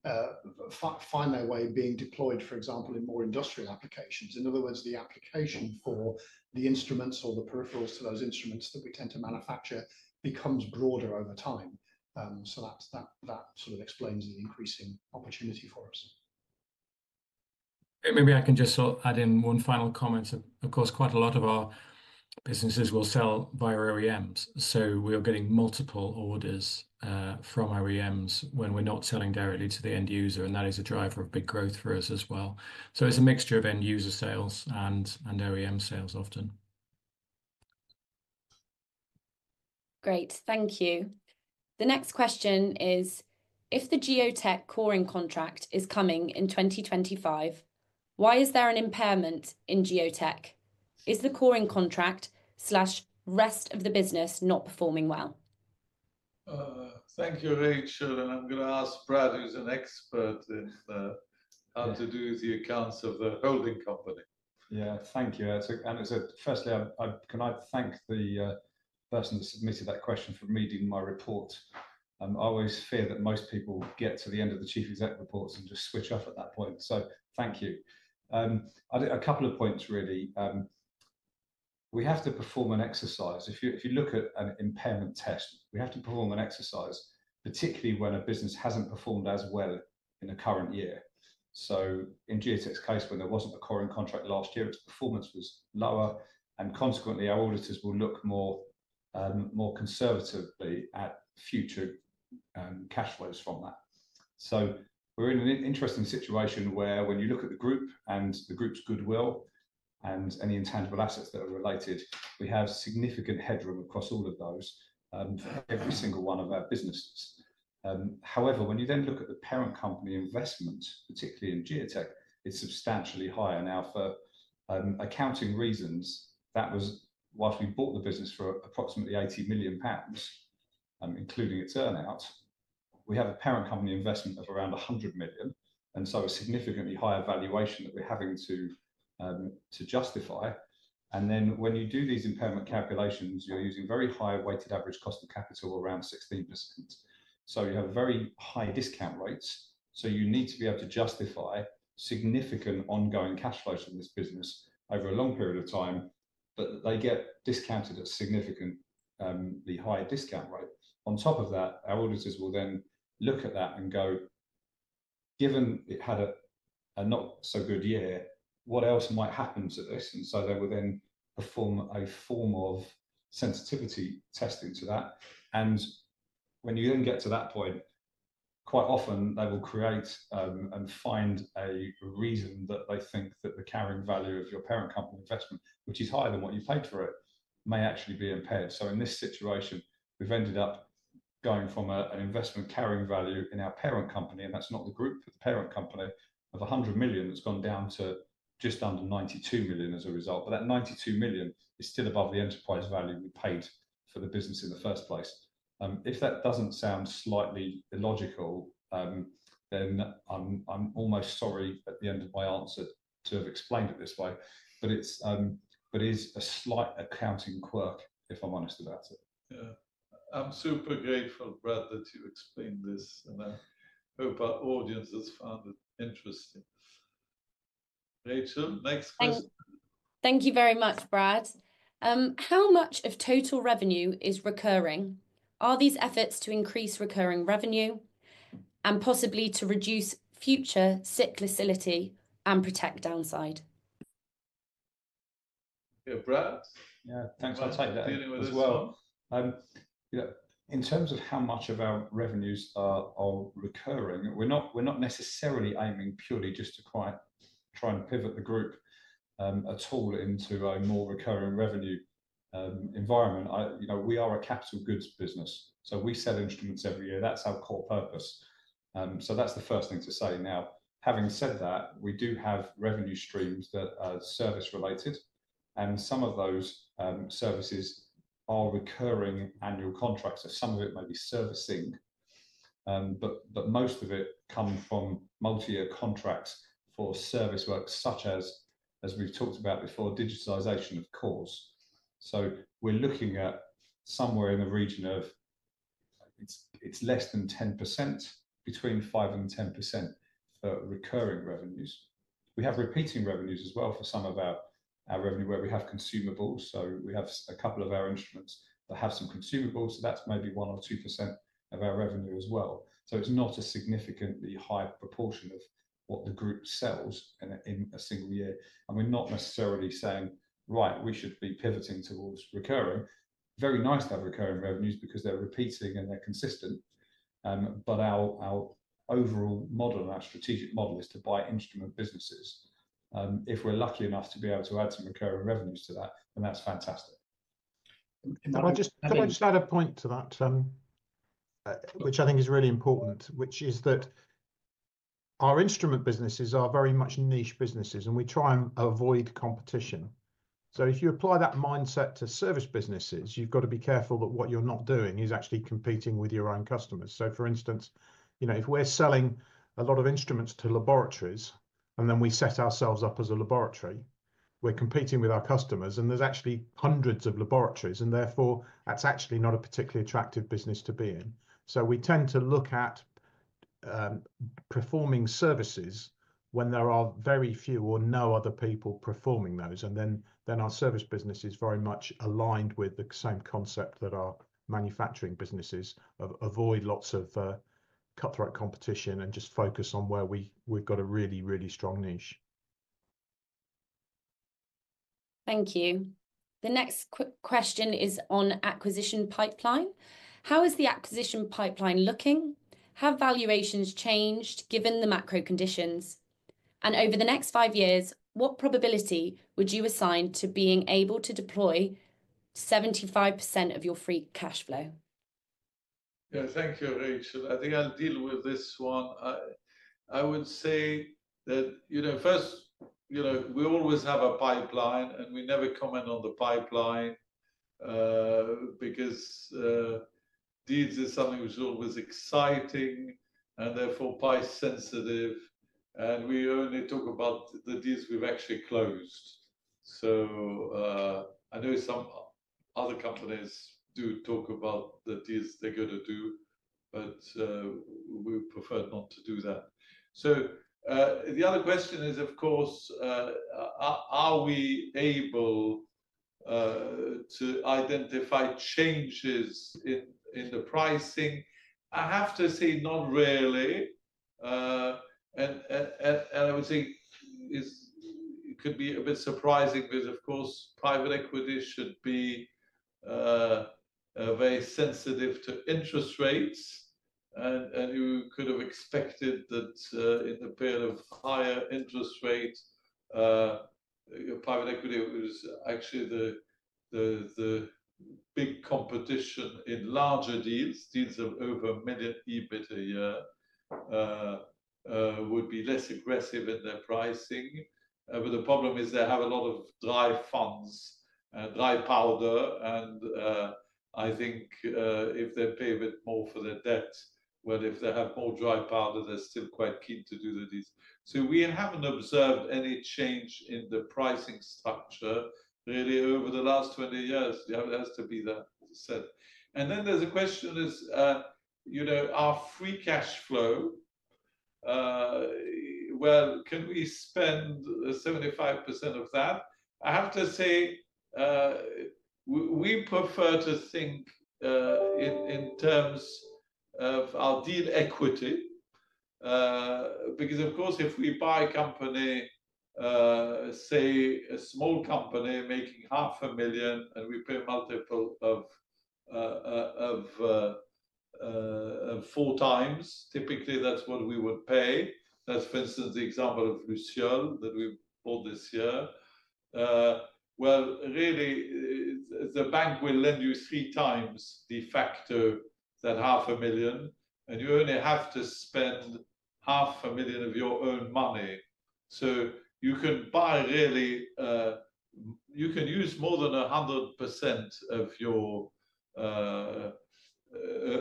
find their way being deployed, for example, in more industrial applications. In other words, the application for the instruments or the peripherals to those instruments that we tend to manufacture becomes broader over time. That sort of explains the increasing opportunity for us. Maybe I can just add in one final comment. Of course, quite a lot of our businesses will sell via OEMs. We are getting multiple orders from OEMs when we're not selling directly to the end user, and that is a driver of big growth for us as well. It is a mixture of end user sales and OEM sales often. Great. Thank you. The next question is, if the Geotek coring contract is coming in 2025, why is there an impairment in Geotek? Is the coring contract or rest of the business not performing well? Thank you, Rachel. I'm going to ask Brad, who's an expert in how to do the accounts of the holding company. Yeah, thank you. Firstly, I'd like to thank the person that submitted that question for reading my report. I always fear that most people get to the end of the chief executive reports and just switch off at that point. Thank you. A couple of points, really. We have to perform an exercise. If you look at an impairment test, we have to perform an exercise, particularly when a business hasn't performed as well in the current year. In Geotek's case, when there wasn't a coring contract last year, its performance was lower. Consequently, our auditors will look more conservatively at future cash flows from that. We're in an interesting situation where when you look at the group and the group's goodwill and any intangible assets that are related, we have significant headroom across all of those for every single one of our businesses. However, when you then look at the parent company investment, particularly in Geotek, it's substantially higher. Now, for accounting reasons, that was whilst we bought the business for approximately 80 million pounds, including its earnouts. We have a parent company investment of around 100 million. A significantly higher valuation that we're having to justify. When you do these impairment calculations, you're using very high weighted average cost of capital, around 16%. You have very high discount rates. You need to be able to justify significant ongoing cash flows from this business over a long period of time, but they get discounted at significantly higher discount rates. On top of that, our auditors will then look at that and go, "Given it had a not-so-good year, what else might happen to this?" They will then perform a form of sensitivity testing to that. When you then get to that point, quite often, they will create and find a reason that they think that the carrying value of your parent company investment, which is higher than what you paid for it, may actually be impaired. In this situation, we've ended up going from an investment carrying value in our parent company, and that's not the group, the parent company of 100 million, that's gone down to just under 92 million as a result. That 92 million is still above the enterprise value we paid for the business in the first place. If that doesn't sound slightly illogical, then I'm almost sorry at the end of my answer to have explained it this way. It is a slight accounting quirk, if I'm honest about it. Yeah. I'm super grateful, Brad, that you explained this. I hope our audience has found it interesting. Rachel, next question. Thank you very much, Brad. How much of total revenue is recurring? Are these efforts to increase recurring revenue and possibly to reduce future cyclicality and protect downside? Yeah, Brad? Yeah, thanks. I'll take that as well. In terms of how much of our revenues are recurring, we're not necessarily aiming purely just to quite try and pivot the group at all into a more recurring revenue environment. We are a capital goods business. We sell instruments every year. That's our core purpose. That's the first thing to say. Now, having said that, we do have revenue streams that are service-related. Some of those services are recurring annual contracts. Some of it might be servicing. Most of it comes from multi-year contracts for service work, such as, as we've talked about before, digitalization, of course. We are looking at somewhere in the region of it's less than 10%, between 5%-10% for recurring revenues. We have repeating revenues as well for some of our revenue where we have consumables. We have a couple of our instruments that have some consumables, so that's maybe 1 or 2% of our revenue as well. It is not a significantly high proportion of what the group sells in a single year. We are not necessarily saying, "Right, we should be pivoting towards recurring." It is very nice to have recurring revenues because they are repeating and they are consistent. Our overall model, our strategic model, is to buy instrument businesses. If we are lucky enough to be able to add some recurring revenues to that, then that is fantastic. Can I just add a point to that, which I think is really important, which is that our instrument businesses are very much niche businesses, and we try and avoid competition. If you apply that mindset to service businesses, you've got to be careful that what you're not doing is actually competing with your own customers. For instance, if we're selling a lot of instruments to laboratories, and then we set ourselves up as a laboratory, we're competing with our customers, and there are actually hundreds of laboratories, and therefore, that's actually not a particularly attractive business to be in. We tend to look at performing services when there are very few or no other people performing those. Our service business is very much aligned with the same concept that our manufacturing businesses avoid lots of cutthroat competition and just focus on where we have a really, really strong niche. Thank you. The next question is on acquisition pipeline. How is the acquisition pipeline looking? Have valuations changed given the macro conditions? And over the next five years, what probability would you assign to being able to deploy 75% of your free cash flow? Yeah, thank you, Rachel. I think I will deal with this one. I would say that first, we always have a pipeline, and we never comment on the pipeline because deeds is something which is always exciting and therefore price-sensitive. We only talk about the deeds we have actually closed. I know some other companies do talk about the deeds they are going to do, but we prefer not to do that. The other question is, of course, are we able to identify changes in the pricing? I have to say, not really. I would say it could be a bit surprising because, of course, private equity should be very sensitive to interest rates. You could have expected that in the period of higher interest rates, private equity was actually the big competition in larger deals, deals of over 1 million EBIT a year, would be less aggressive in their pricing. The problem is they have a lot of dry funds, dry powder. I think if they pay a bit more for their debt, if they have more dry powder, they're still quite keen to do the deals. We haven't observed any change in the pricing structure really over the last 20 years. There has to be that, as I said. There is a question: is our free cash flow, well, can we spend 75% of that? I have to say we prefer to think in terms of our deal equity because, of course, if we buy a company, say, a small company making 500,000, and we pay a multiple of four times, typically that is what we would pay. That is, for instance, the example of Lucio that we bought this year. Really, the bank will lend you three times the factor of that 500,000, and you only have to spend 500,000 of your own money. You can use more than 100%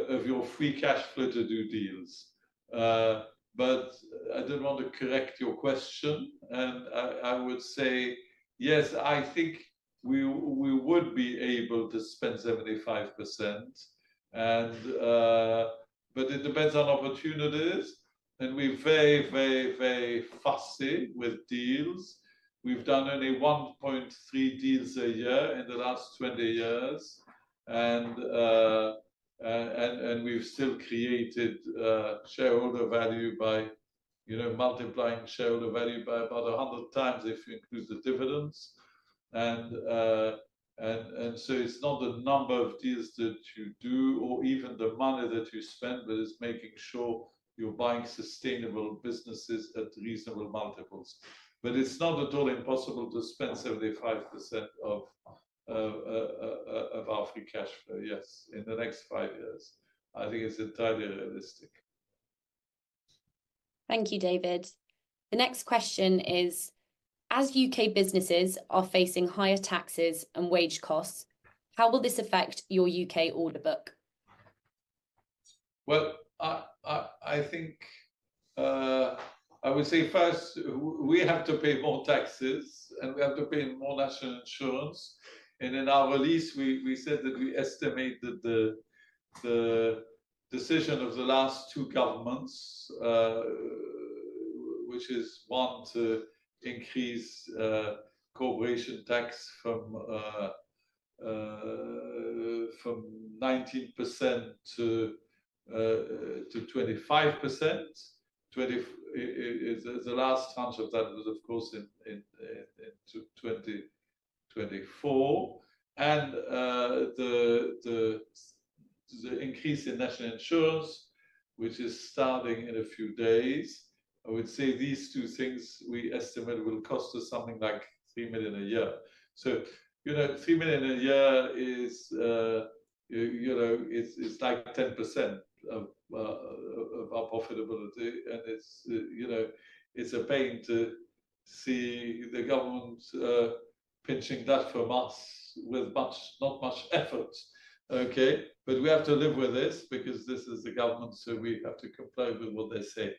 of your free cash flow to do deals. I did not want to correct your question. I would say, yes, I think we would be able to spend 75%. It depends on opportunities. We are very, very, very fussy with deals. We have done only 1.3 deals a year in the last 20 years. We have still created shareholder value by multiplying shareholder value by about 100x if you include the dividends. It is not the number of deals that you do or even the money that you spend, but it is making sure you are buying sustainable businesses at reasonable multiples. It is not at all impossible to spend 75% of our free cash flow, yes, in the next five years. I think it is entirely realistic. Thank you, David. The next question is, as U.K. businesses are facing higher taxes and wage costs, how will this affect your U.K. order book? I would say first, we have to pay more taxes, and we have to pay more national insurance. In our release, we said that we estimate that the decision of the last two governments, which is one to increase corporation tax from 19%-25%, the last tranche of that was, of course, in 2024. The increase in national insurance, which is starting in a few days, I would say these two things we estimate will cost us something like 3 million a year. 3 million a year is like 10% of our profitability. It is a pain to see the government pinching that from us with not much effort. Okay? We have to live with this because this is the government, so we have to comply with what they say.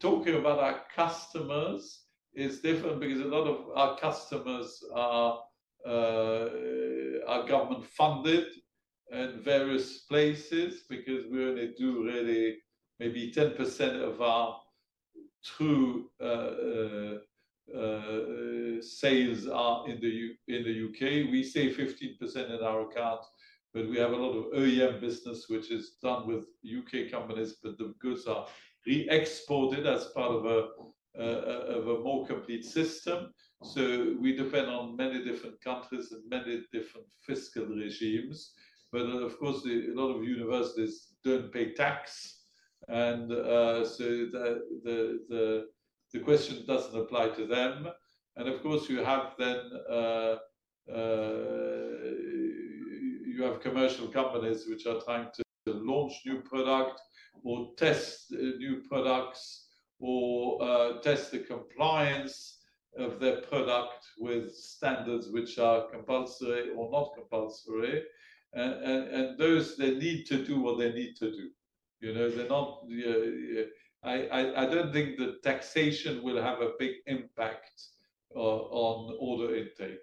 Talking about our customers is different because a lot of our customers are government-funded in various places because we only do really maybe 10% of our true sales in the U.K. We say 15% in our accounts, but we have a lot of OEM business, which is done with U.K. companies, but the goods are re-exported as part of a more complete system. We depend on many different countries and many different fiscal regimes. Of course, a lot of universities do not pay tax, and the question does not apply to them. You have commercial companies which are trying to launch new product or test new products or test the compliance of their product with standards which are compulsory or not compulsory. Those, they need to do what they need to do. I do not think the taxation will have a big impact on order intake.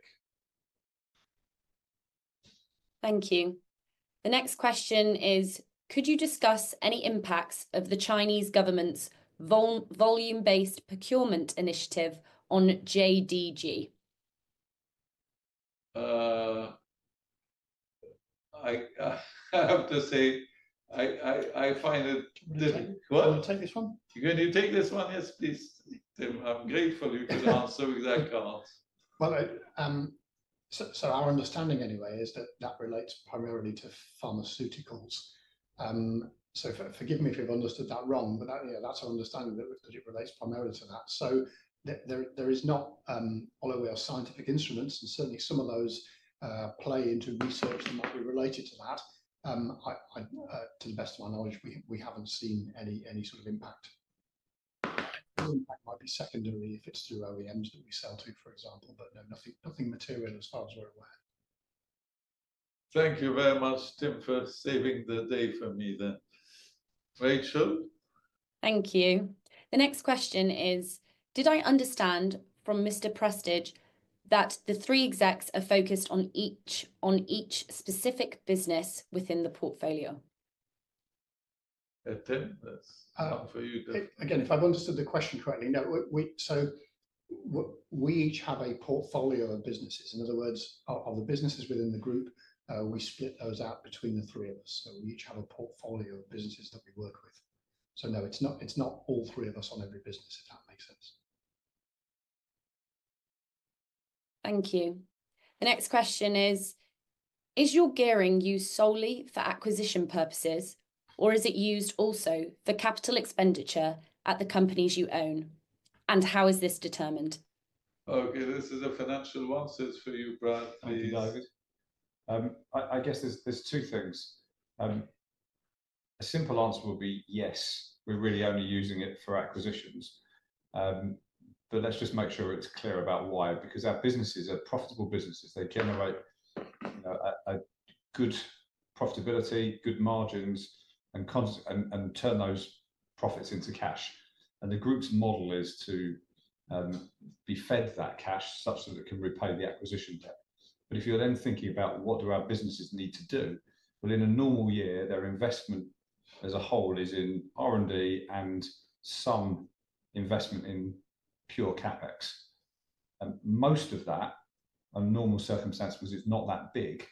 Thank you. The next question is, could you discuss any impacts of the Chinese government's volume-based procurement initiative on JDG? I have to say, I find it. I'll take this one. Can you take this one? Yes, please. I'm grateful you could answer with that card. Our understanding anyway is that that relates primarily to pharmaceuticals. Forgive me if I've understood that wrong, but that's our understanding that it relates primarily to that. There is not all of our scientific instruments, and certainly some of those play into research and might be related to that. To the best of my knowledge, we haven't seen any sort of impact. The impact might be secondary if it's through OEMs that we sell to, for example, but nothing material as far as we're aware. Thank you very much, Tim, for saving the day for me then. Rachel? Thank you. The next question is, did I understand from Mr. Prestidge that the three execs are focused on each specific business within the portfolio? Tim, that's for you. Again, if I've understood the question correctly, no. We each have a portfolio of businesses. In other words, of the businesses within the group, we split those out between the three of us. We each have a portfolio of businesses that we work with. No, it's not all three of us on every business, if that makes sense. Thank you. The next question is, is your gearing used solely for acquisition purposes, or is it used also for capital expenditure at the companies you own? How is this determined? This is a financial one. It's for you, Brad. Thank you, David. I guess there are two things. A simple answer would be, yes, we're really only using it for acquisitions. Let's just make sure it's clear about why, because our businesses are profitable businesses. They generate good profitability, good margins, and turn those profits into cash. The group's model is to be fed that cash such that it can repay the acquisition debt. If you're then thinking about what do our businesses need to do, in a normal year, their investment as a whole is in R&D and some investment in pure CapEx. Most of that, under normal circumstances, is not that big.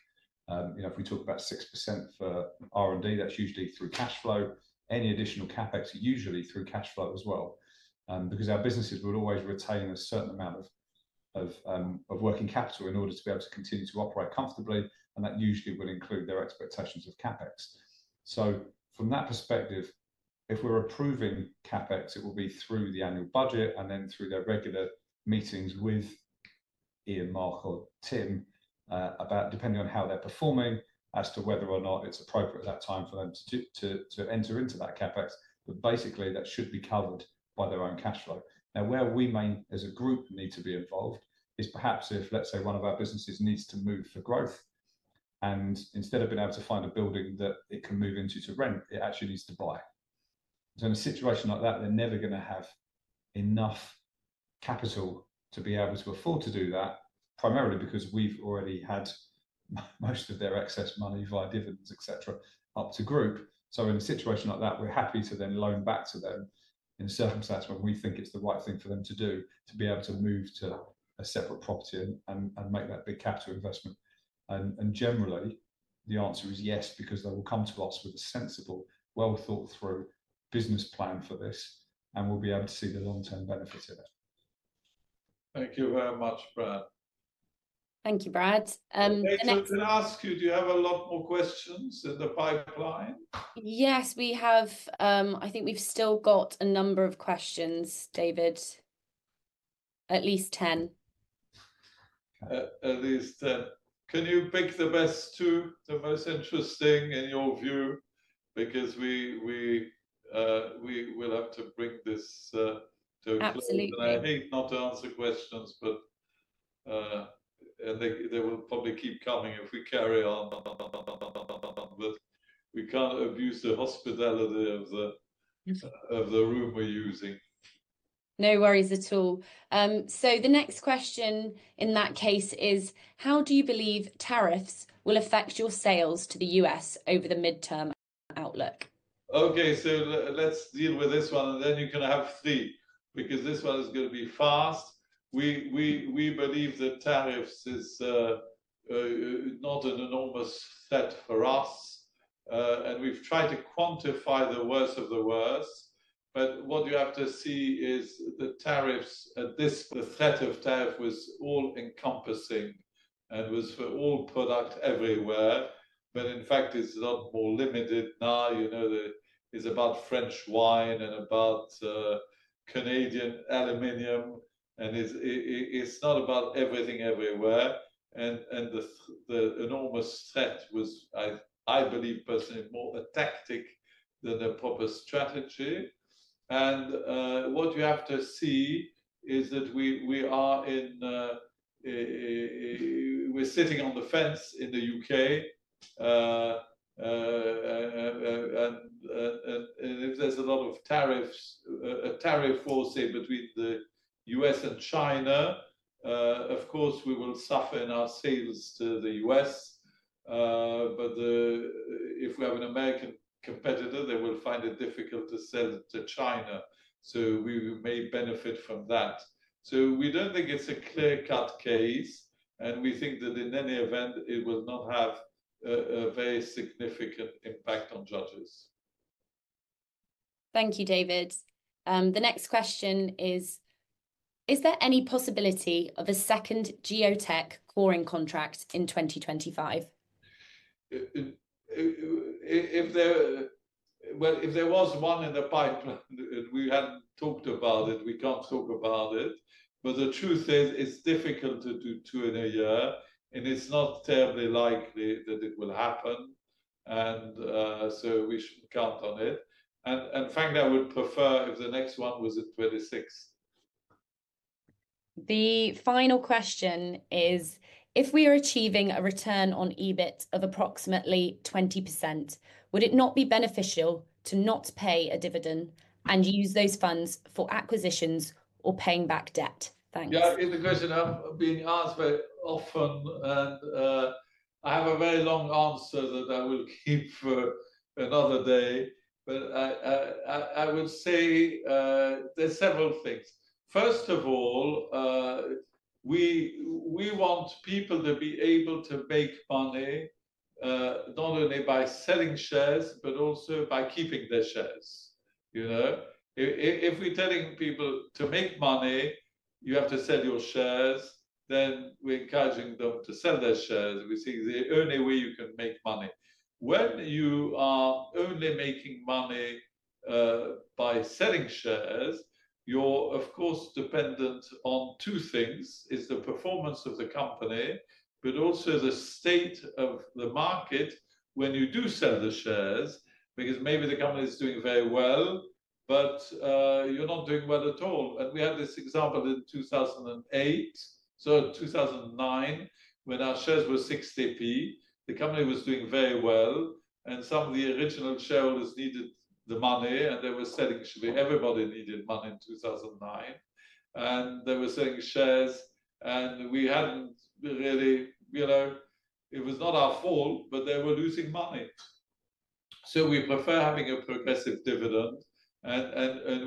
If we talk about 6% for R&D, that's usually through cash flow. Any additional CapEx, usually through cash flow as well, because our businesses would always retain a certain amount of working capital in order to be able to continue to operate comfortably. That usually would include their expectations of CapEx. From that perspective, if we're approving CapEx, it will be through the annual budget and then through their regular meetings with Ian, Mark, or Tim, depending on how they're performing as to whether or not it's appropriate at that time for them to enter into that CapEx. Basically, that should be covered by their own cash flow. Where we may, as a group, need to be involved is perhaps if, let's say, one of our businesses needs to move for growth. Instead of being able to find a building that it can move into to rent, it actually needs to buy. In a situation like that, they're never going to have enough capital to be able to afford to do that, primarily because we've already had most of their excess money via dividends, etc., up to group. In a situation like that, we're happy to then loan back to them in a circumstance when we think it's the right thing for them to do to be able to move to a separate property and make that big capital investment. Generally, the answer is yes because they will come to us with a sensible, well-thought-through business plan for this, and we'll be able to see the long-term benefit in it. Thank you very much, Brad. Thank you, Brad. Rachel, can I ask you, do you have a lot more questions in the pipeline? Yes, we have. I think we've still got a number of questions, David. At least 10. At least 10. Can you pick the best two, the most interesting in your view? Because we will have to bring this to a close. Absolutely. I hate not to answer questions, but they will probably keep coming if we carry on. We cannot abuse the hospitality of the room we are using. No worries at all. The next question in that case is, how do you believe tariffs will affect your sales to the U.S. over the midterm outlook? Okay, let us deal with this one, and then you can have three because this one is going to be fast. We believe that tariffs is not an enormous threat for us. We have tried to quantify the worst of the worst. What you have to see is the tariffs at this. The threat of tariff was all-encompassing and was for all product everywhere. In fact, it is a lot more limited now. It is about French wine and about Canadian aluminium. It is not about everything everywhere. The enormous threat was, I believe, personally, more a tactic than a proper strategy. What you have to see is that we are sitting on the fence in the U.K. If there is a lot of tariff war, say, between the U.S. and China, of course, we will suffer in our sales to the U.S. If we have an American competitor, they will find it difficult to sell to China. We may benefit from that. We do not think it is a clear-cut case. We think that in any event, it will not have a very significant impact on Judges. Thank you, David. The next question is, is there any possibility of a second Geotek coring contract in 2025? If there was one in the pipeline, we had not talked about it. We cannot talk about it. The truth is, it's difficult to do two in a year. It's not terribly likely that it will happen. We should count on it. In fact, I would prefer if the next one was in 2026. The final question is, if we are achieving a return on EBIT of approximately 20%, would it not be beneficial to not pay a dividend and use those funds for acquisitions or paying back debt? Thanks. Yeah, it's a question I've been asked for often. I have a very long answer that I will keep for another day. I would say there's several things. First of all, we want people to be able to make money not only by selling shares, but also by keeping their shares. If we're telling people to make money, you have to sell your shares, then we're encouraging them to sell their shares. We see the only way you can make money. When you are only making money by selling shares, you're, of course, dependent on two things: it's the performance of the company, but also the state of the market when you do sell the shares, because maybe the company is doing very well, but you're not doing well at all. We had this example in 2008. In 2009, when our shares were 0.60, the company was doing very well. Some of the original shareholders needed the money, and they were selling. Everybody needed money in 2009. They were selling shares. It was not our fault, but they were losing money. We prefer having a progressive dividend.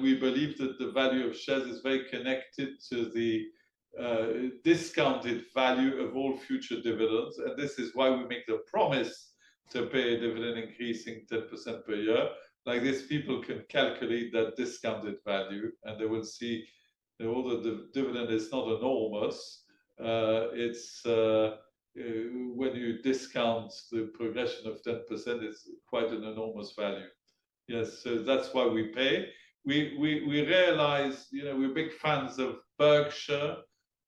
We believe that the value of shares is very connected to the discounted value of all future dividends. This is why we make the promise to pay a dividend increase in 10% per year. Like this, people can calculate that discounted value, and they will see that although the dividend is not enormous, when you discount the progression of 10%, it is quite an enormous value. That is why we pay. We realize we are big fans of Berkshire.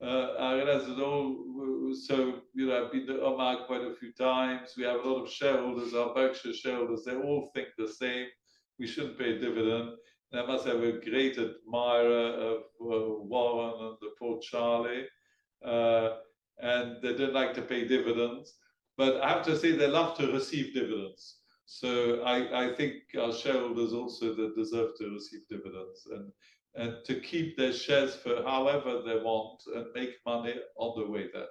I realize that also, I have been to Omaha quite a few times. We have a lot of shareholders, our Berkshire shareholders. They all think the same. We should not pay a dividend. I must say I am a great admirer of Warren and the poor Charlie. They do not like to pay dividends. I have to say they love to receive dividends. I think our shareholders also deserve to receive dividends and to keep their shares for however they want and make money on the way there.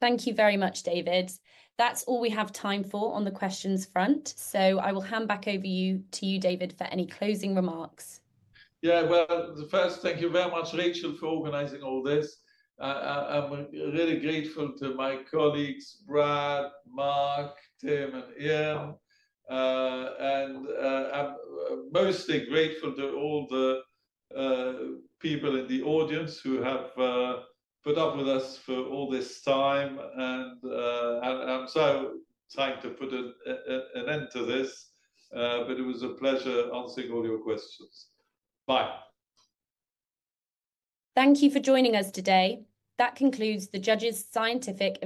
Thank you very much, David. That's all we have time for on the questions front. I will hand back over to you, David, for any closing remarks. Yeah, first, thank you very much, Rachel, for organizing all this. I'm really grateful to my colleagues, Brad, Mark, Tim, and Ian. I'm mostly grateful to all the people in the audience who have put up with us for all this time. I'm so trying to put an end to this, but it was a pleasure answering all your questions. Bye. Thank you for joining us today. That concludes the Judges Scientific.